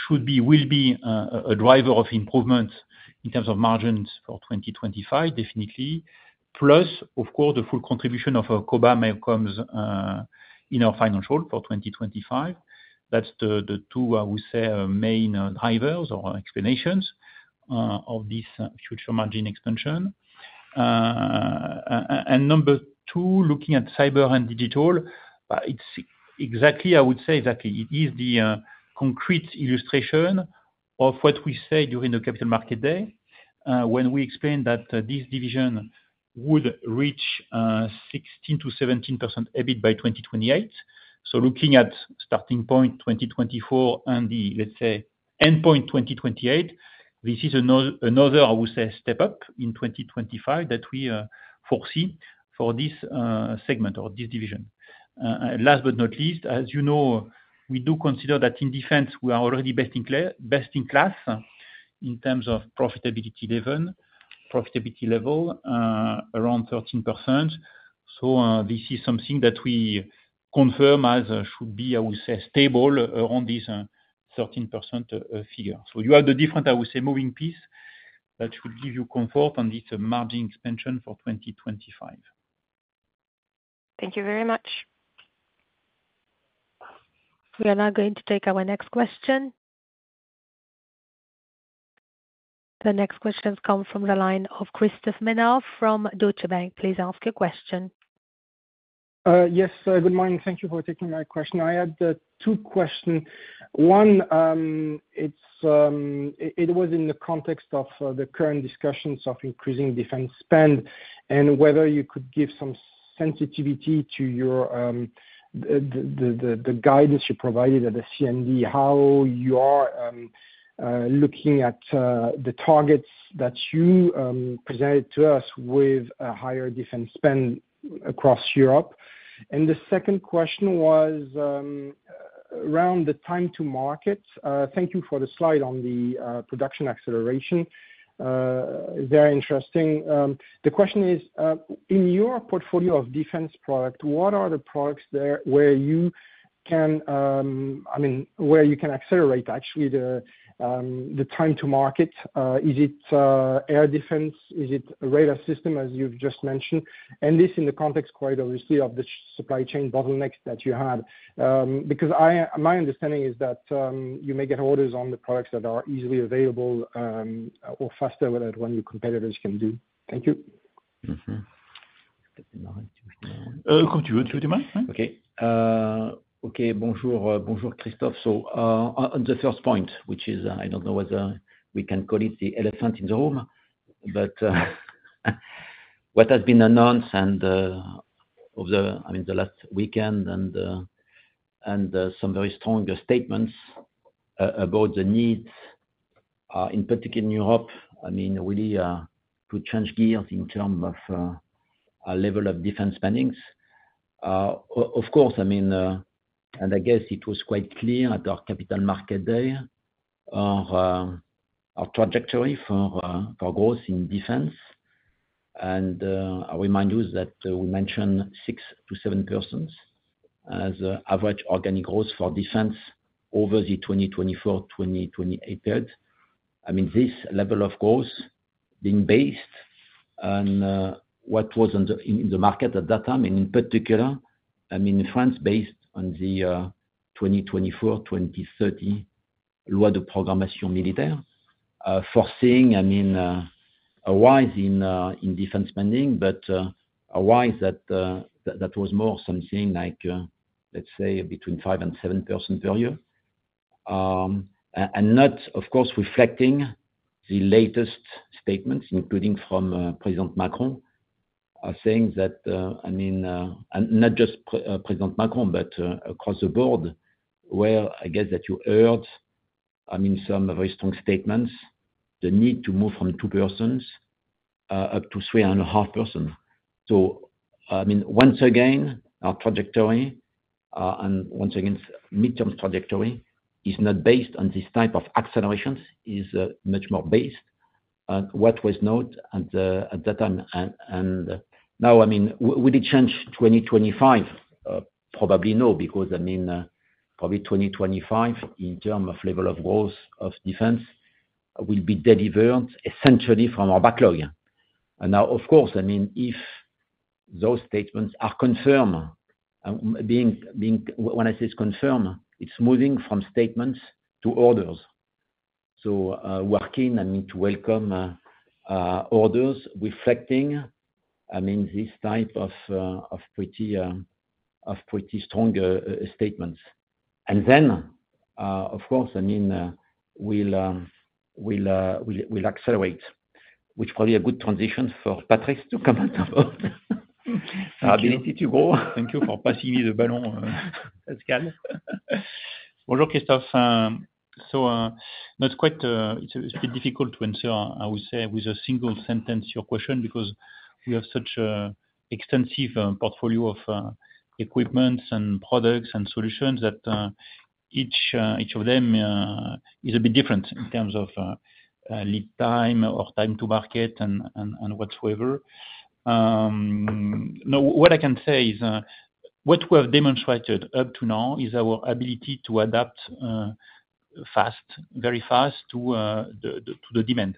should be, will be a driver of improvement in terms of margins for 2025, definitely. Plus, of course, the full contribution of Cobham AeroComms in our financials for 2025. That's the two, I would say, main drivers or explanations of this future margin expansion. Number two, looking at cyber and digital, it's exactly, I would say, exactly. It is the concrete illustration of what we said during the Capital Market Day when we explained that this division would reach 16%-17% EBIT by 2028. Looking at starting point 2024 and the, let's say, endpoint 2028, this is another, I would say, step up in 2025 that we foresee for this segment or this division. Last but not least, as you know, we do consider that in defense, we are already best in class in terms of profitability level, profitability level around 13%. This is something that we confirm as should be, I would say, stable around this 13% figure. So you have the different, I would say, moving piece that should give you comfort on this margin expansion for 2025. Thank you very much. We are now going to take our next question. The next questions come from the line of Christophe Menard from Deutsche Bank. Please ask your question. Yes, good morning. Thank you for taking my question. I had two questions. One, it was in the context of the current discussions of increasing defense spend and whether you could give some sensitivity to the guidance you provided at the CND, how you are looking at the targets that you presented to us with a higher defense spend across Europe. And the second question was around the time to market. Thank you for the slide on the production acceleration. Very interesting. The question is, in your portfolio of defense products, what are the products there where you can, I mean, where you can accelerate actually the time to market? Is it air defense? Is it radar system, as you've just mentioned? And this in the context, quite obviously, of the supply chain bottlenecks that you had. Because my understanding is that you may get orders on the products that are easily available or faster than what your competitors can do. Thank you. Okay. Bonjour, Christophe. So on the first point, which is, I don't know whether we can call it the elephant in the room, but what has been announced over, I mean, the last weekend and some very strong statements about the need, in particular in Europe, I mean, really to change gears in terms of our level of defense spending. Of course, I mean, and I guess it was quite clear at our Capital Markets Day, our trajectory for growth in defense. And I remind you that we mentioned 6%-7% as average organic growth for defense over the 2024-2028 period. I mean, this level of growth being based on what was in the market at that time, and in particular, I mean, France based on the 2024-2030 Loi de Programmation Militaire, forcing, I mean, a rise in defense spending, but a rise that was more something like, let's say, between 5% and 7% per year. And not, of course, reflecting the latest statements, including from President Macron, saying that, I mean, not just President Macron, but across the board, where I guess that you heard, I mean, some very strong statements, the need to move from 2% up to 3.5%. I mean, once again, our trajectory, and once again, midterm trajectory is not based on this type of accelerations. It is much more based on what was known at that time. Now, I mean, will it change 2025? Probably no, because, I mean, probably 2025, in terms of level of growth of defense, will be delivered essentially from our backlog. Now, of course, I mean, if those statements are confirmed, when I say it's confirmed, it's moving from statements to orders. So, I mean, to welcome orders reflecting, I mean, this type of pretty strong statements. Then, of course, I mean, we'll accelerate, which probably a good transition for Patrice to comment about our ability to grow. Thank you for passing me the ball, Pascal. Bonjour, Christophe. So it's a bit difficult to answer, I would say, with a single sentence your question because we have such an extensive portfolio of equipments and products and solutions that each of them is a bit different in terms of lead time or time to market and whatsoever. What I can say is what we have demonstrated up to now is our ability to adapt fast, very fast to the demand.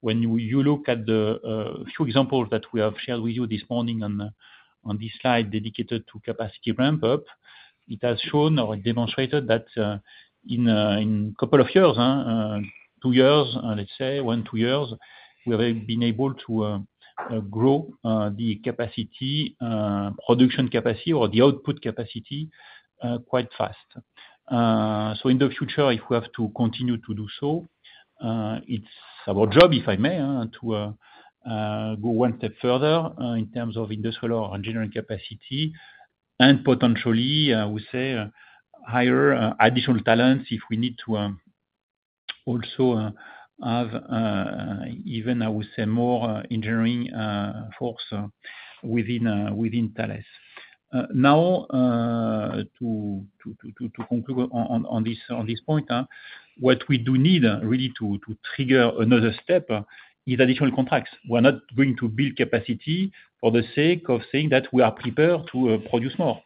When you look at the few examples that we have shared with you this morning on this slide dedicated to capacity ramp-up, it has shown or demonstrated that in a couple of years, two years, let's say, one, two years, we have been able to grow the capacity, production capacity, or the output capacity quite fast. So in the future, if we have to continue to do so, it's our job, if I may, to go one step further in terms of industrial or engineering capacity and potentially, I would say, higher additional talents if we need to also have even, I would say, more engineering force within Thales. Now, to conclude on this point, what we do need really to trigger another step is additional contracts. We're not going to build capacity for the sake of saying that we are prepared to produce more.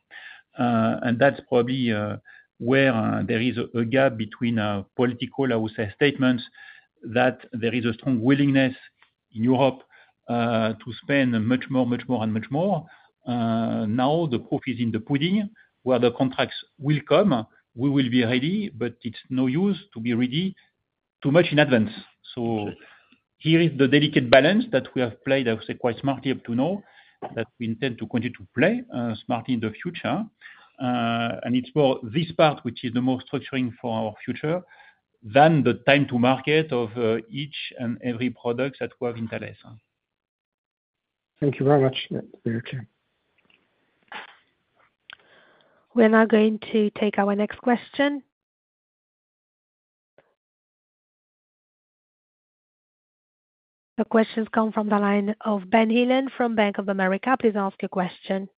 And that's probably where there is a gap between our political, I would say, statements that there is a strong willingness in Europe to spend much more, much more, and much more. Now, the proof is in the pudding where the contracts will come. We will be ready, but it's no use to be ready too much in advance. So here is the delicate balance that we have played, I would say, quite smartly up to now that we intend to continue to play smartly in the future. And it's more this part, which is the most structuring for our future than the time to market of each and every product that we have in Thales. Thank you very much. We're now going to take our next question. The question comes from the line of Ben Heelan from Bank of America. Please ask your question.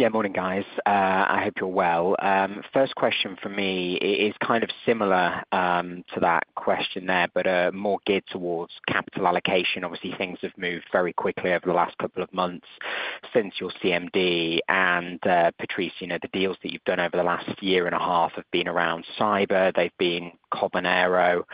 Yeah. Morning, guys. I hope you're well. First question for me is kind of similar to that question there, but more geared towards capital allocation. Obviously, things have moved very quickly over the last couple of months since your CMD. And Patrice, the deals that you've done over the last year and a half have been around cyber. They've been Cobham Aero.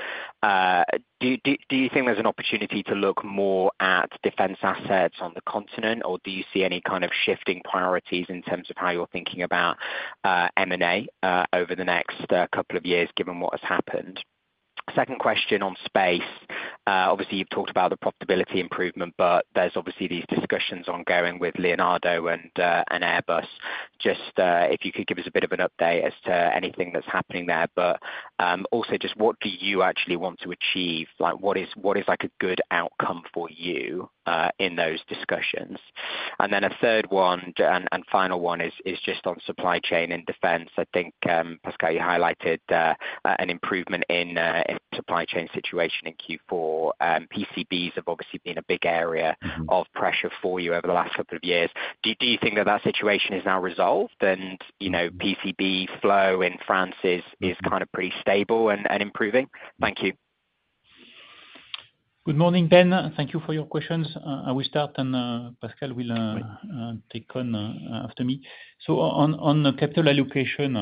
Do you think there's an opportunity to look more at defense assets on the continent, or do you see any kind of shifting priorities in terms of how you're thinking about M&A over the next couple of years given what has happened? Second question on space. Obviously, you've talked about the profitability improvement, but there's obviously these discussions ongoing with Leonardo and Airbus. Just if you could give us a bit of an update as to anything that's happening there. But also just what do you actually want to achieve? What is a good outcome for you in those discussions? And then a third one and final one is just on supply chain and defense. I think, Pascal, you highlighted an improvement in supply chain situation in Q4. PCBs have obviously been a big area of pressure for you over the last couple of years. Do you think that that situation is now resolved and PCB flow in France is kind of pretty stable and improving? Thank you. Good morning, Ben. Thank you for your questions. I will start, and Pascal will take on after me. On the capital allocation,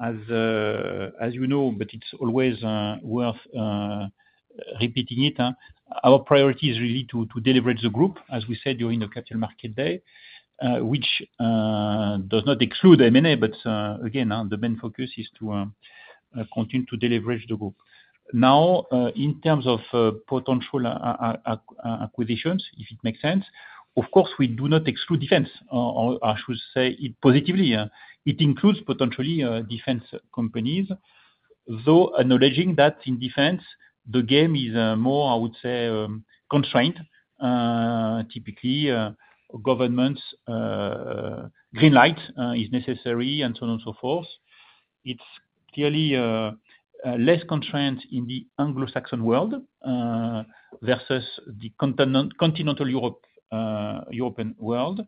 as you know, but it's always worth repeating it, our priority is really to deliver it to the group, as we said during the Capital Market Day, which does not exclude M&A, but again, the main focus is to continue to deliver it to the group. Now, in terms of potential acquisitions, if it makes sense, of course, we do not exclude defense. I should say it positively. It includes potentially defense companies, though acknowledging that in defense, the game is more, I would say, constrained. Typically, government's green light is necessary and so on and so forth. It's clearly less constrained in the Anglo-Saxon world versus the continental European world.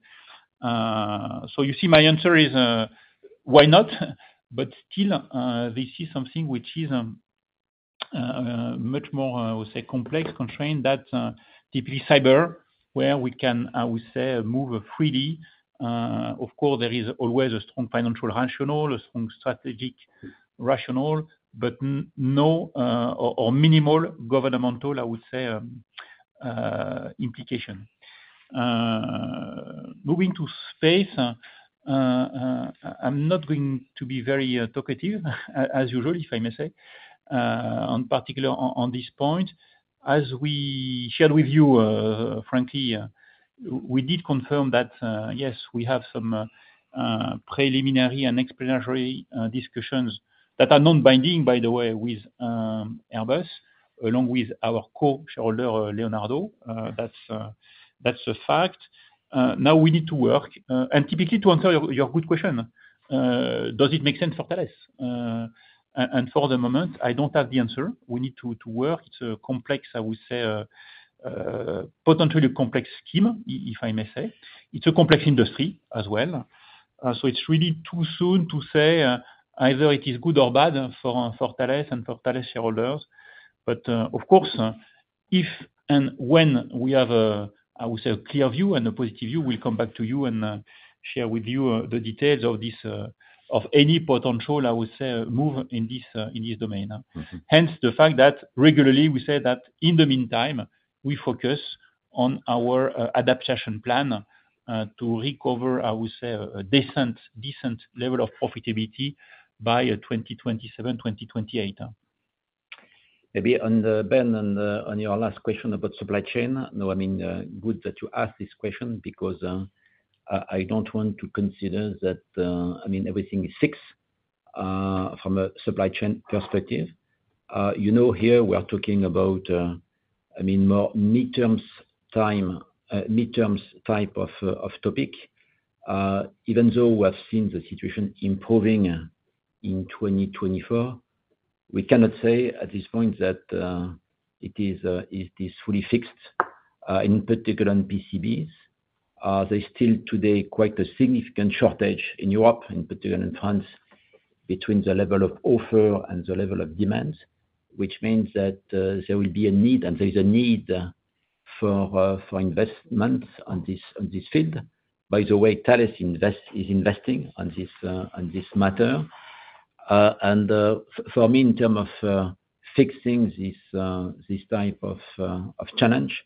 So you see my answer is why not, but still, this is something which is much more, I would say, complex, constrained than typically cyber, where we can, I would say, move freely. Of course, there is always a strong financial rationale, a strong strategic rationale, but no or minimal governmental, I would say, implication. Moving to space, I'm not going to be very talkative, as usual, if I may say, in particular on this point. As we shared with you, frankly, we did confirm that, yes, we have some preliminary and exploratory discussions that are non-binding, by the way, with Airbus, along with our co-shareholder, Leonardo. That's a fact. Now, we need to work, and typically, to answer your good question, does it make sense for Thales, and for the moment, I don't have the answer. We need to work. It's a complex, I would say, potentially complex scheme, if I may say. It's a complex industry as well. So it's really too soon to say either it is good or bad for Thales and for Thales shareholders. But of course, if and when we have, I would say, a clear view and a positive view, we'll come back to you and share with you the details of any potential, I would say, move in this domain. Hence the fact that regularly we say that in the meantime, we focus on our adaptation plan to recover, I would say, a decent level of profitability by 2027, 2028. Maybe on Ben, on your last question about supply chain, no, I mean, good that you asked this question because I don't want to consider that, I mean, everything is fixed from a supply chain perspective. You know, here we are talking about, I mean, more midterms type of topic. Even though we have seen the situation improving in 2024, we cannot say at this point that it is fully fixed, in particular on PCBs. There is still today quite a significant shortage in Europe, in particular in France, between the level of offer and the level of demand, which means that there will be a need, and there is a need for investments on this field. By the way, Thales is investing on this matter, and for me, in terms of fixing this type of challenge,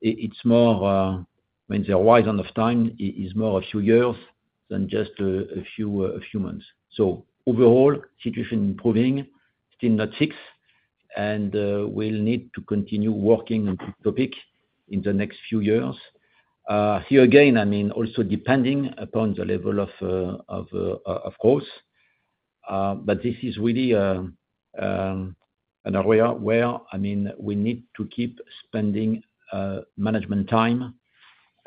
it's more, I mean, the horizon of time is more a few years than just a few months, so overall, situation improving, still not fixed, and we'll need to continue working on this topic in the next few years. Here again, I mean, also depending upon the level of growth. But this is really an area where, I mean, we need to keep spending management time,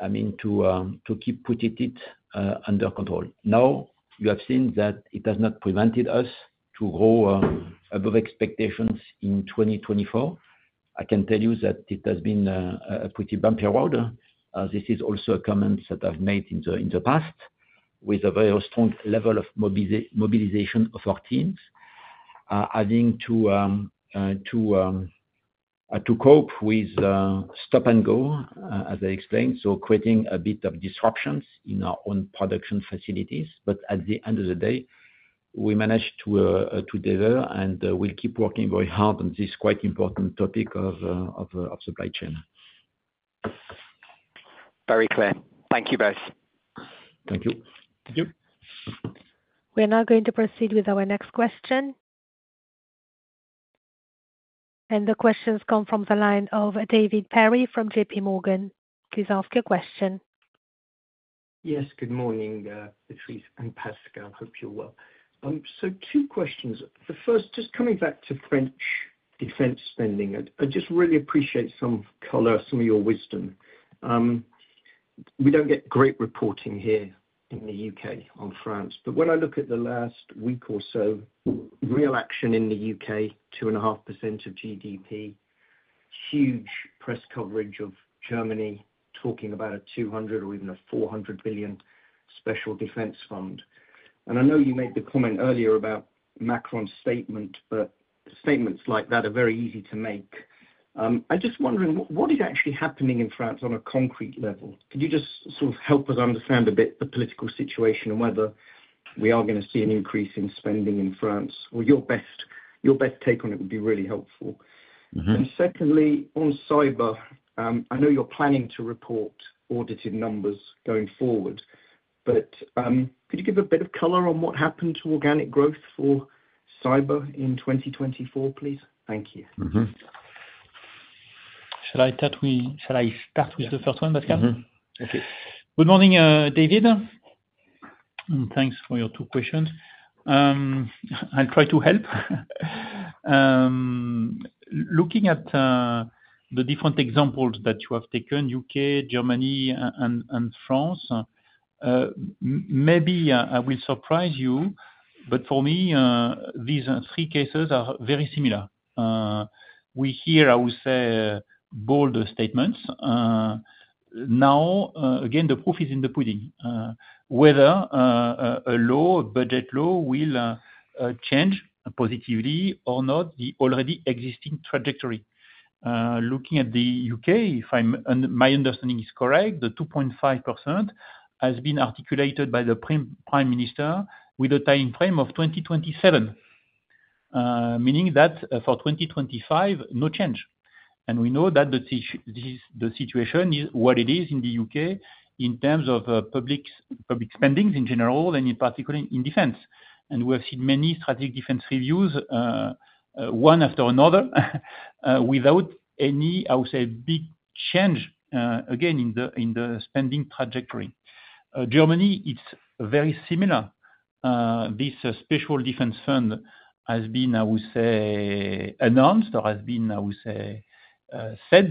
I mean, to keep putting it under control. Now, you have seen that it has not prevented us to grow above expectations in 2024. I can tell you that it has been a pretty bumpy road. This is also a comment that I've made in the past with a very strong level of mobilization of our teams, having to cope with stop and go, as I explained, so creating a bit of disruptions in our own production facilities. But at the end of the day, we managed to deliver, and we'll keep working very hard on this quite important topic of supply chain. Very clear. Thank you both. Thank you. Thank you. We're now going to proceed with our next question. The questions come from the line of Dave Perry from J.P. Morgan. Please ask your question. Yes. Good morning, Patrice and Pascal. I hope you're well. Two questions. The first, just coming back to French defense spending. I just really appreciate some color, some of your wisdom. We don't get great reporting here in the U.K. on France. When I look at the last week or so, real action in the U.K., 2.5% of GDP, huge press coverage of Germany talking about a 200 billion or even a 400 billion special defense fund. I know you made the comment earlier about Macron's statement, but statements like that are very easy to make. I'm just wondering, what is actually happening in France on a concrete level? Could you just sort of help us understand a bit the political situation and whether we are going to see an increase in spending in France? Your best take on it would be really helpful. And secondly, on cyber, I know you're planning to report audited numbers going forward, but could you give a bit of color on what happened to organic growth for cyber in 2024, please? Thank you. Should I start with the first one, Pascal? Okay. Good morning, David. And thanks for your two questions. I'll try to help. Looking at the different examples that you have taken, U.K., Germany, and France, maybe I will surprise you, but for me, these three cases are very similar. We hear, I would say, bold statements. Now, again, the proof is in the pudding, whether a budget law will change positively or not the already existing trajectory. Looking at the U.K., if my understanding is correct, the 2.5% has been articulated by the Prime Minister with a time frame of 2027, meaning that for 2025, no change. And we know that the situation is what it is in the U.K. in terms of public spending in general and in particular in defense. And we have seen many strategic defense reviews one after another without any, I would say, big change, again, in the spending trajectory. Germany, it's very similar. This special defense fund has been, I would say, announced or has been, I would say, said.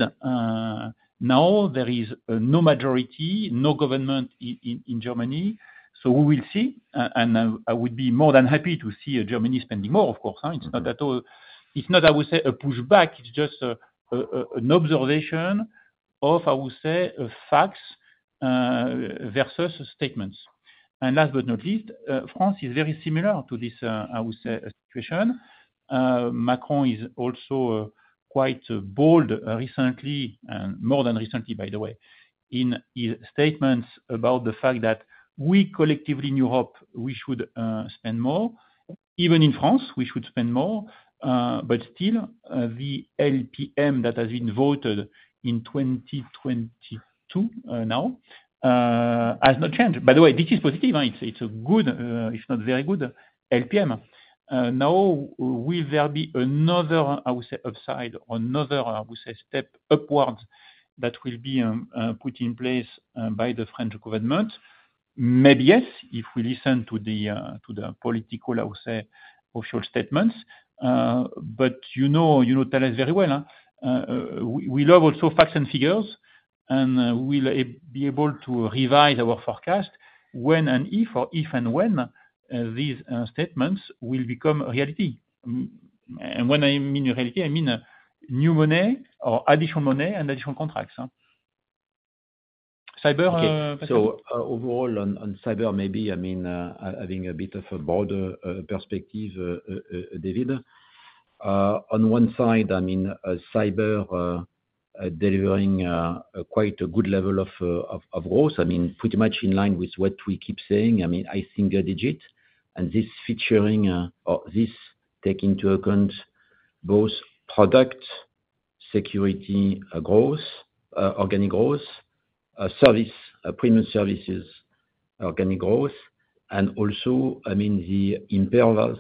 Now, there is no majority, no government in Germany. So we will see. And I would be more than happy to see Germany spending more, of course. It's not at all, it's not, I would say, a pushback. It's just an observation of, I would say, facts versus statements. Last but not least, France is very similar to this, I would say, situation. Macron is also quite bold recently, and more than recently, by the way, in his statements about the fact that we collectively in Europe, we should spend more. Even in France, we should spend more. But still, the LPM that has been voted in 2022 now has not changed. By the way, this is positive. It's a good, if ot very good LPM. Now, will there be another, I would say, upside or another, I would say, step upwards that will be put in place by the French government? Maybe yes, if we listen to the political, I would say, official statements. But you know Thales very well. We love also facts and figures, and we'll be able to revise our forecast when and if, or if and when these statements will become reality. And when I mean reality, I mean new money or additional money and additional contracts. Cyber, okay. So overall on cyber, maybe, I mean, having a bit of a broader perspective, Dave. On one side, I mean, cyber delivering quite a good level of growth. I mean, pretty much in line with what we keep saying. I mean, I think high single-digit. And this featuring or this taking into account both product security growth, organic growth, service, premium services, organic growth, and also, I mean, the Imperva's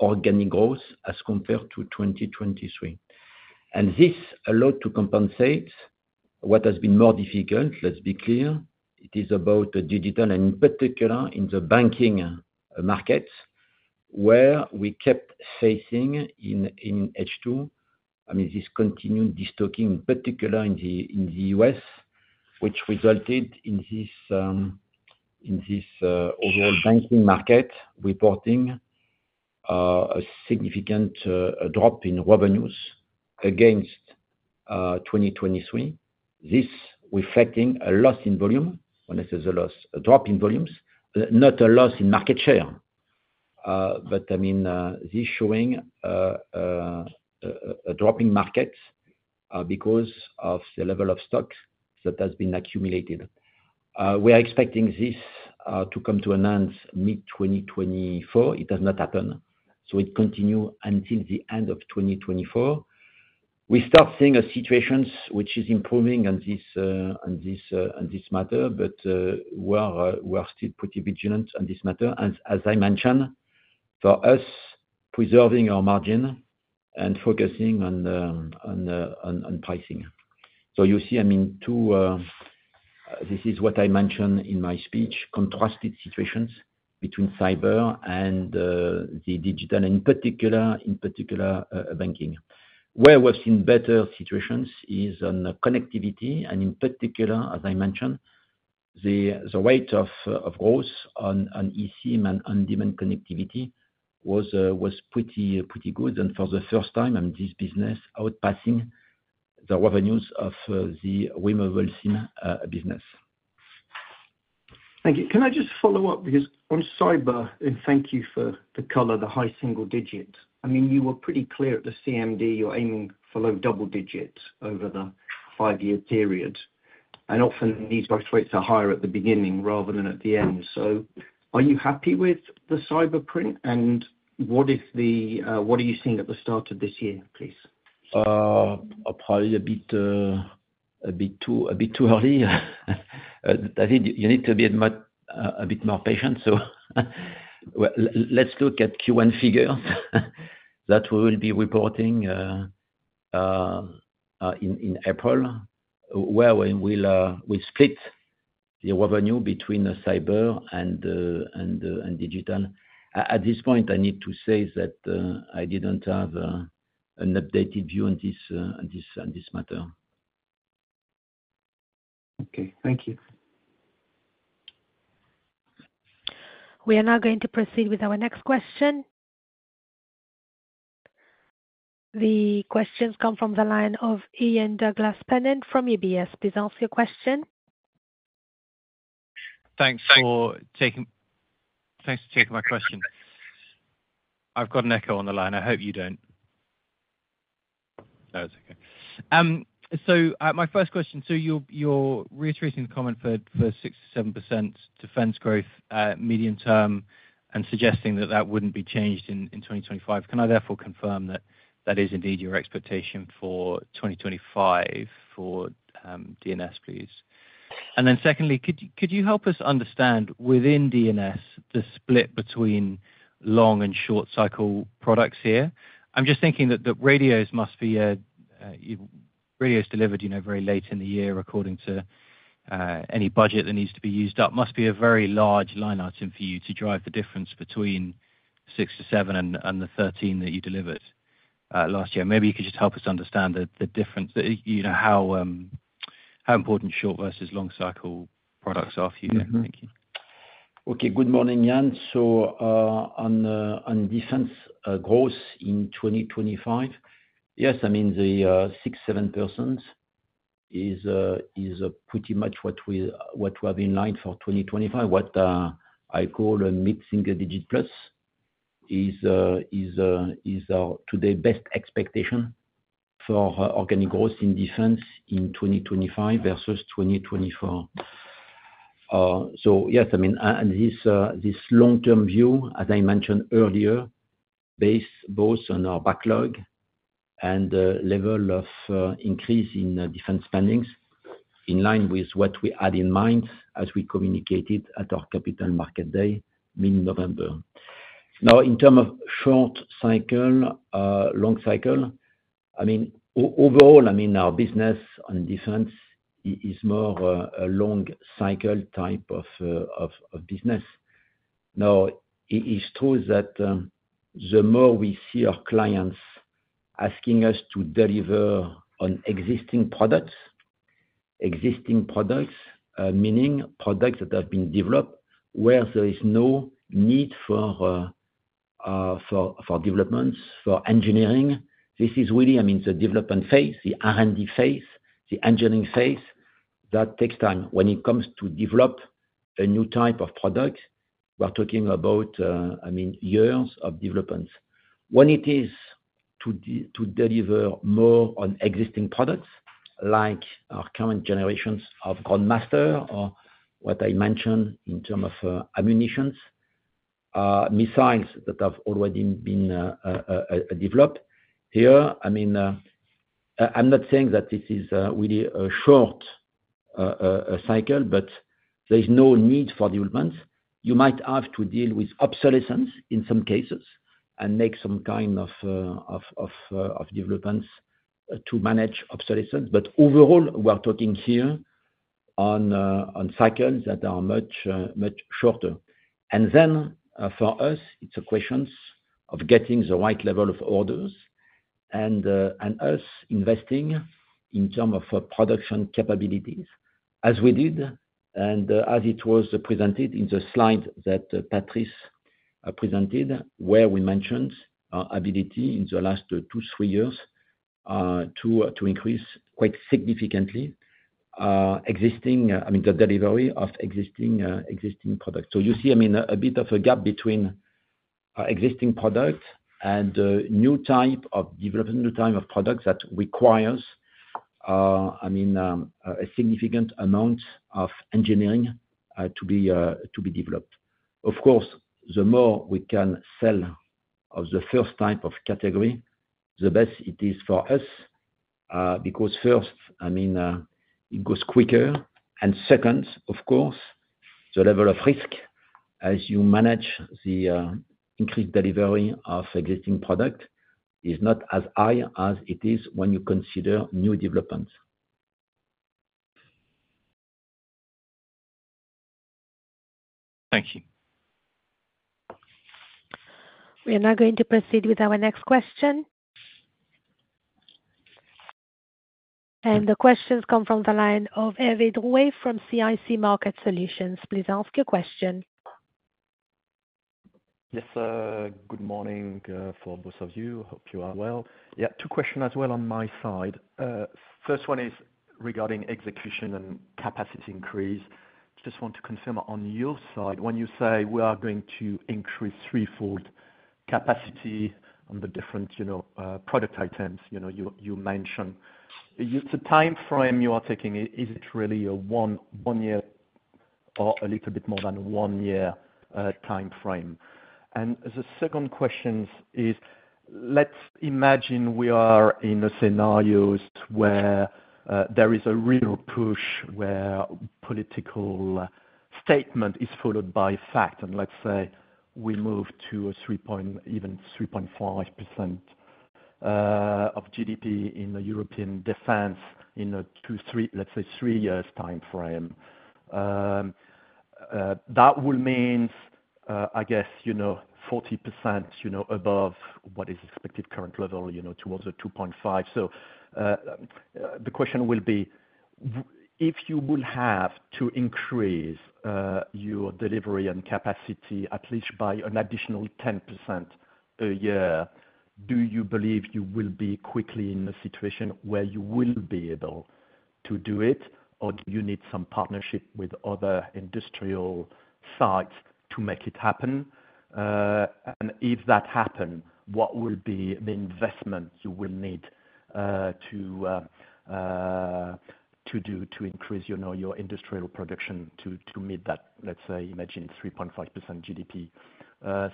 organic growth as compared to 2023. And this allowed to compensate what has been more difficult, let's be clear. It is about digital and in particular in the banking markets where we kept facing in H2. I mean, this continued de-stocking, in particular in the U.S., which resulted in this overall banking market reporting a significant drop in revenues against 2023. This reflecting a loss in volume. When I say a loss, a drop in volumes, not a loss in market share. But I mean, this showing a drop in markets because of the level of stock that has been accumulated. We are expecting this to come to an end mid-2024. It has not happened. So it continued until the end of 2024. We start seeing a situation which is improving on this matter, but we are still pretty vigilant on this matter. As I mentioned, for us, preserving our margin and focusing on pricing. So you see, I mean, this is what I mentioned in my speech, contrasted situations between cyber and the digital, in particular, banking. Where we've seen better situations is on connectivity. In particular, as I mentioned, the rate of growth on eSIM and on-demand connectivity was pretty good. And for the first time, I mean, this business outpacing the revenues of the eSIM business. Thank you. Can I just follow up? Because on cyber, and thank you for the color, the high single-digit. I mean, you were pretty clear at the CMD, you're aiming for low double digits over the five-year period. And often these rates are higher at the beginning rather than at the end. So are you happy with the cyber print? And what are you seeing at the start of this year, please? A bit too early. David, you need to be a bit more patient. So let's look at Q1 figures that we will be reporting in April, where we will split the revenue between cyber and digital. At this point, I need to say that I didn't have an updated view on this matter. Okay. Thank you. We are now going to proceed with our next question. The questions come from the line of Ian Douglas-Pennant from UBS. Please answer your question. Thanks for taking my question. I've got an echo on the line. I hope you don't. That's okay. So my first question, so you're reiterating the comment for 6%-7% defense growth medium term and suggesting that that wouldn't be changed in 2025. Can I therefore confirm that that is indeed your expectation for 2025 for D&S, please? And then secondly, could you help us understand within D&S the split between long and short cycle products here? I'm just thinking that the radios must be radios delivered very late in the year according to any budget that needs to be used up. That must be a very large line item for you to drive the difference between 6%-7% and the 13% that you delivered last year. Maybe you could just help us understand the difference, how important short versus long cycle products are for you. Thank you. Okay. Good morning, Ian. So on defense growth in 2025, yes, I mean, the 6%-7% is pretty much what we have in line for 2025. What I call a mid-single digit plus is today's best expectation for organic growth in defense in 2025 versus 2024. Yes, I mean, this long-term view, as I mentioned earlier, based both on our backlog and level of increase in defense spending in line with what we had in mind as we communicated at our Capital Market Day, mid-November. Now, in terms of short cycle, long cycle, I mean, overall, I mean, our business on defense is more a long cycle type of business. Now, it is true that the more we see our clients asking us to deliver on existing products, existing products, meaning products that have been developed where there is no need for developments, for engineering. This is really, I mean, the development phase, the R&D phase, the engineering phase that takes time. When it comes to develop a new type of product, we're talking about, I mean, years of developments. When it is to deliver more on existing products like our current generations of Ground Master or what I mentioned in terms of ammunition, missiles that have already been developed here, I mean, I'm not saying that this is really a short cycle, but there is no need for developments. You might have to deal with obsolescence in some cases and make some kind of developments to manage obsolescence. But overall, we're talking here on cycles that are much shorter. And then for us, it's a question of getting the right level of orders and us investing in terms of production capabilities as we did and as it was presented in the slide that Patrice presented where we mentioned our ability in the last two, three years to increase quite significantly existing, I mean, the delivery of existing products. So you see, I mean, a bit of a gap between existing products and new type of development, new type of products that requires, I mean, a significant amount of engineering to be developed. Of course, the more we can sell of the first type of category, the best it is for us because first, I mean, it goes quicker. And second, of course, the level of risk as you manage the increased delivery of existing product is not as high as it is when you consider new developments. Thank you. We are now going to proceed with our next question. And the questions come from the line of Hervé Drouet from CIC Market Solutions. Please ask your question. Yes. Good morning for both of you. Hope you are well. Yeah. Two questions as well on my side. First one is regarding execution and capacity increase. Just want to confirm on your side, when you say we are going to increase threefold capacity on the different product items you mentioned, the timeframe you are taking, is it really a one-year or a little bit more than one-year timeframe? And the second question is, let's imagine we are in a scenario where there is a real push where political statement is followed by fact. And let's say we move to a 3.5% of GDP in the European defense in a two, three, let's say, three-year timeframe. That will mean, I guess, 40% above what is expected current level towards a 2.5%. The question will be, if you will have to increase your delivery and capacity at least by an additional 10% a year, do you believe you will be quickly in a situation where you will be able to do it, or do you need some partnership with other industrial sites to make it happen? And if that happens, what will be the investment you will need to do to increase your industrial production to meet that, let's say, imagine 3.5% GDP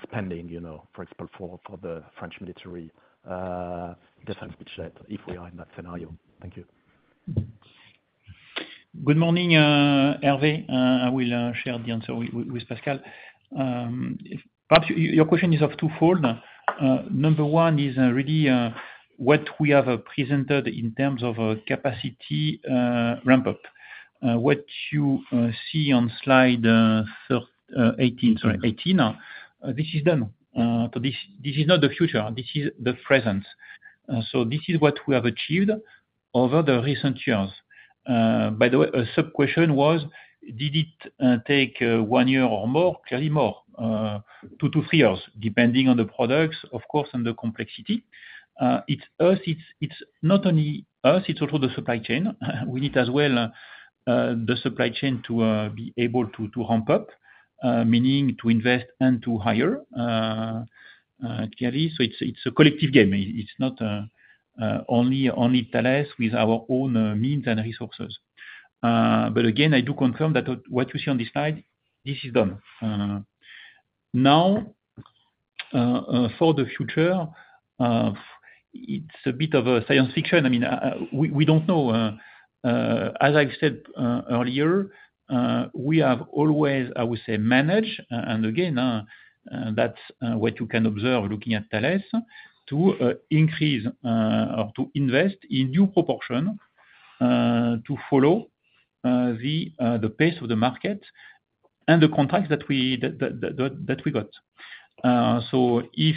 spending, for example, for the French military defense budget if we are in that scenario? Thank you. Good morning, Hervé. I will share the answer with Pascal. Perhaps your question is of twofold. Number one is really what we have presented in terms of capacity ramp-up. What you see on slide 18, sorry, 18, this is done. This is not the future. This is the present. So this is what we have achieved over the recent years. By the way, a sub-question was, did it take one year or more, clearly more, two to three years, depending on the products, of course, and the complexity? It's not only us. It's also the supply chain. We need as well the supply chain to be able to ramp up, meaning to invest and to hire, clearly. So it's a collective game. It's not only Thales with our own means and resources. But again, I do confirm that what you see on this slide, this is done. Now, for the future, it's a bit of a science fiction. I mean, we don't know. As I've said earlier, we have always, I would say, managed, and again, that's what you can observe looking at Thales to increase or to invest in due proportion to follow the pace of the market and the contracts that we got. So if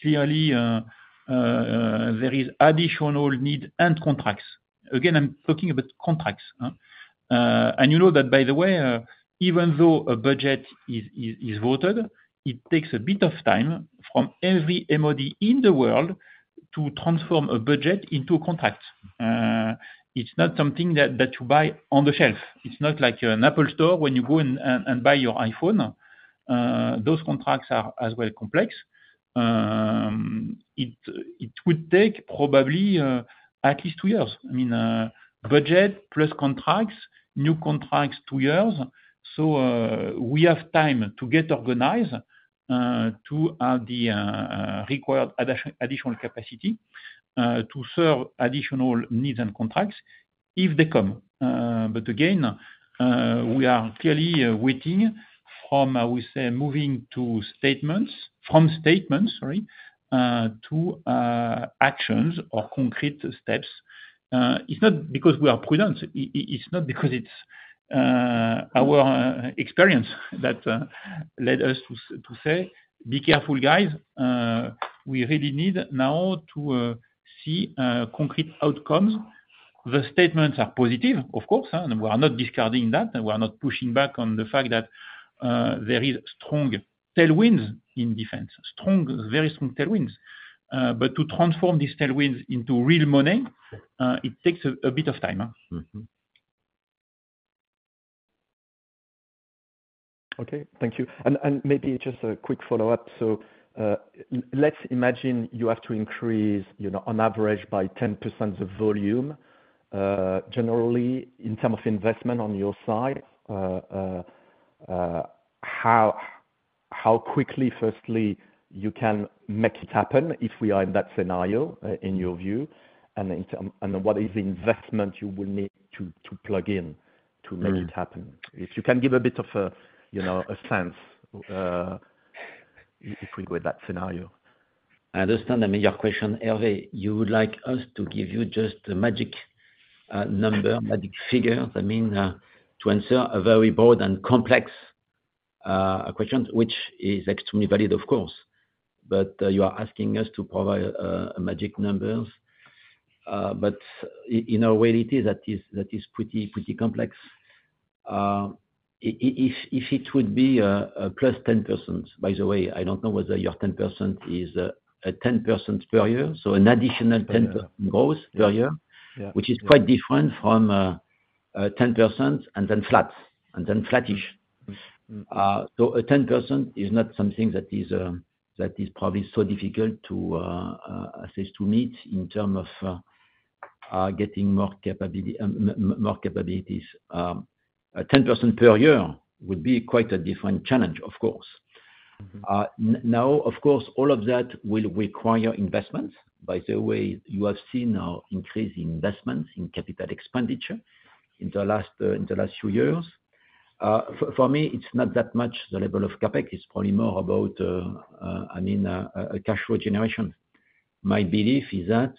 clearly there is additional need and contracts, again, I'm talking about contracts. And you know that, by the way, even though a budget is voted, it takes a bit of time from every MOD in the world to transform a budget into a contract. It's not something that you buy on the shelf. It's not like an Apple Store when you go and buy your iPhone. Those contracts are as well complex. It would take probably at least two years. I mean, budget plus contracts, new contracts, two years. So we have time to get organized to have the required additional capacity to serve additional needs and contracts if they come. But again, we are clearly waiting from, I would say, moving to statements, from statements, sorry, to actions or concrete steps. It's not because we are prudent. It's not because it's our experience that led us to say, "Be careful, guys." We really need now to see concrete outcomes. The statements are positive, of course. And we are not discarding that. We are not pushing back on the fact that there are strong tailwinds in defense, strong, very strong tailwinds. But to transform these tailwinds into real money, it takes a bit of time. Okay. Thank you. And maybe just a quick follow-up. So let's imagine you have to increase on average by 10% of volume. Generally, in terms of investment on your side, how quickly, firstly, you can make it happen if we are in that scenario in your view? And what is the investment you will need to plug in to make it happen? If you can give a bit of a sense if we go with that scenario. I understand. I mean, your question, Hervé, you would like us to give you just a magic number, magic figure, I mean, to answer a very broad and complex question, which is extremely valid, of course. But you are asking us to provide magic numbers. But in our reality, that is pretty complex. If it would be plus 10%, by the way, I don't know whether your 10% is 10% per year. So an additional 10% growth per year, which is quite different from 10% and then flat, and then flattish. A 10% is not something that is probably so difficult to meet in terms of getting more capabilities. 10% per year would be quite a different challenge, of course. Now, of course, all of that will require investments. By the way, you have seen an increase in investments in capital expenditure in the last few years. For me, it's not that much the level of CapEx. It's probably more about, I mean, cash flow generation. My belief is that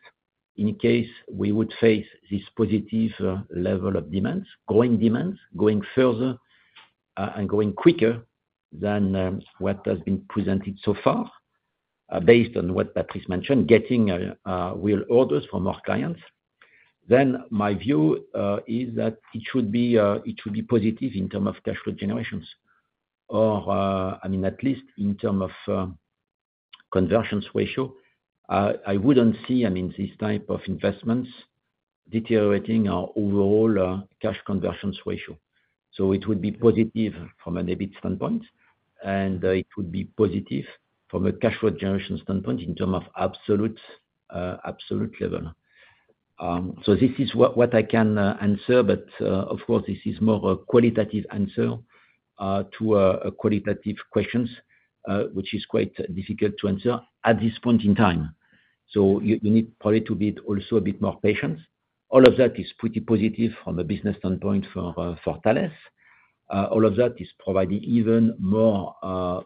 in case we would face this positive level of demands, growing demands, going further, and going quicker than what has been presented so far, based on what Patrice mentioned, getting real orders from our clients, then my view is that it should be positive in terms of cash flow generations. Or, I mean, at least in terms of conversion ratio, I wouldn't see, I mean, these types of investments deteriorating our overall cash conversion ratio. So it would be positive from an EBIT standpoint, and it would be positive from a cash flow generation standpoint in terms of absolute level. So this is what I can answer. But of course, this is more a qualitative answer to qualitative questions, which is quite difficult to answer at this point in time. So you need probably to be also a bit more patient. All of that is pretty positive from a business standpoint for Thales. All of that is providing even more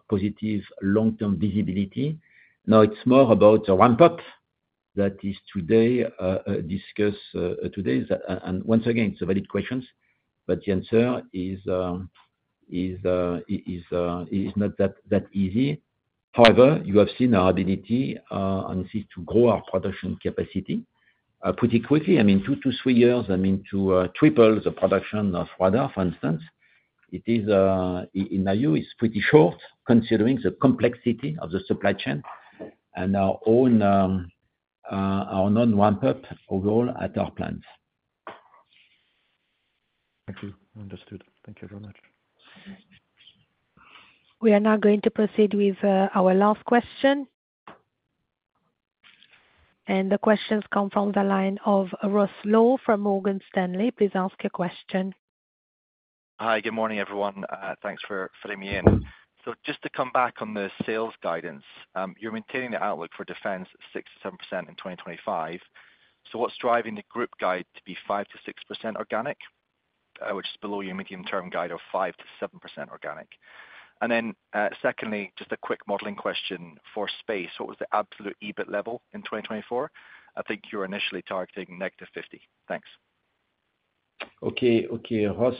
positive long-term visibility. Now, it's more about the ramp-up that is today discussed. And once again, it's a valid question. But the answer is not that easy. However, you have seen our ability to grow our production capacity pretty quickly. I mean, two, two, three years, I mean, to triple the production of radars, for instance. In my view, it's pretty short considering the complexity of the supply chain and our own ramp-up overall at our plants. Thank you. Understood. Thank you very much. We are now going to proceed with our last question, and the questions come from the line of Ross Law from Morgan Stanley. Please ask your question. Hi. Good morning, everyone. Thanks for fitting me in. So just to come back on the sales guidance, you're maintaining the outlook for defense 6%-7% in 2025. So what's driving the group guide to be 5%-6% organic, which is below your medium-term guide of 5%-7% organic? And then secondly, just a quick modeling question for space. What was the absolute EBIT level in 2024? I think you were initially targeting negative 50. Thanks. Okay. Okay, Ross.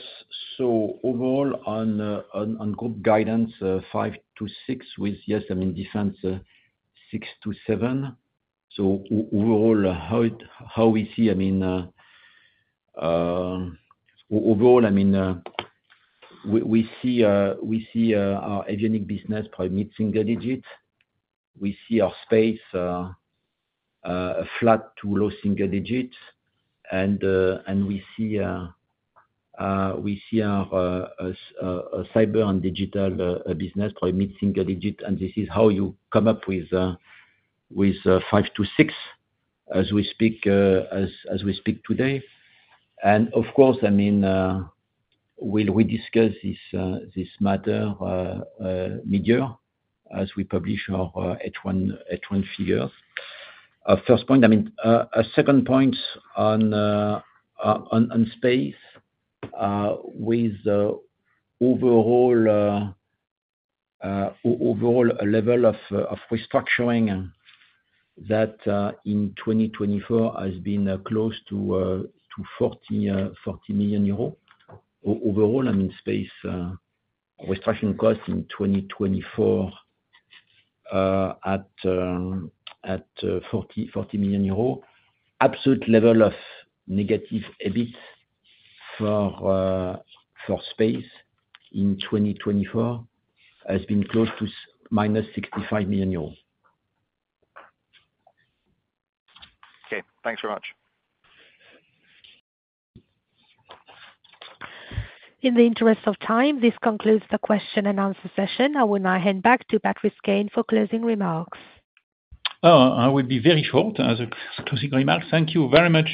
So overall on group guidance, 5%-6% with, yes, I mean, defense 6%-7%. So overall, how we see, I mean, overall, I mean, we see our avionics business probably mid single-digit. We see our space flat to low single-digit. And we see our cyber and digital business probably mid single-digit. And this is how you come up with 5%-6% as we speak today. And of course, I mean, we'll rediscuss this matter mid-year as we publish our H1 figures. First point, I mean, a second point on space with overall level of restructuring that in 2024 has been close to 40 million euro. Overall, I mean, space restructuring cost in 2024 at 40 million euros. Absolute level of negative EBIT for space in 2024 has been close to minus 65 million euros. Okay. Thanks very much. In the interest of time, this concludes the question and answer session. I will now hand back to Patrice Caine for closing remarks. I will be very short as a closing remark. Thank you very much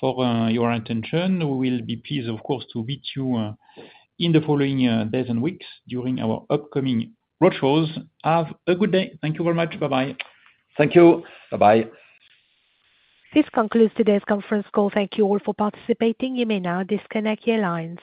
for your attention. We will be pleased, of course, to meet you in the following days and weeks during our upcoming roadshows. Have a good day. Thank you very much. Bye-bye. Thank you. Bye-bye. This concludes today's conference call. Thank you all for participating. You may now disconnect your lines.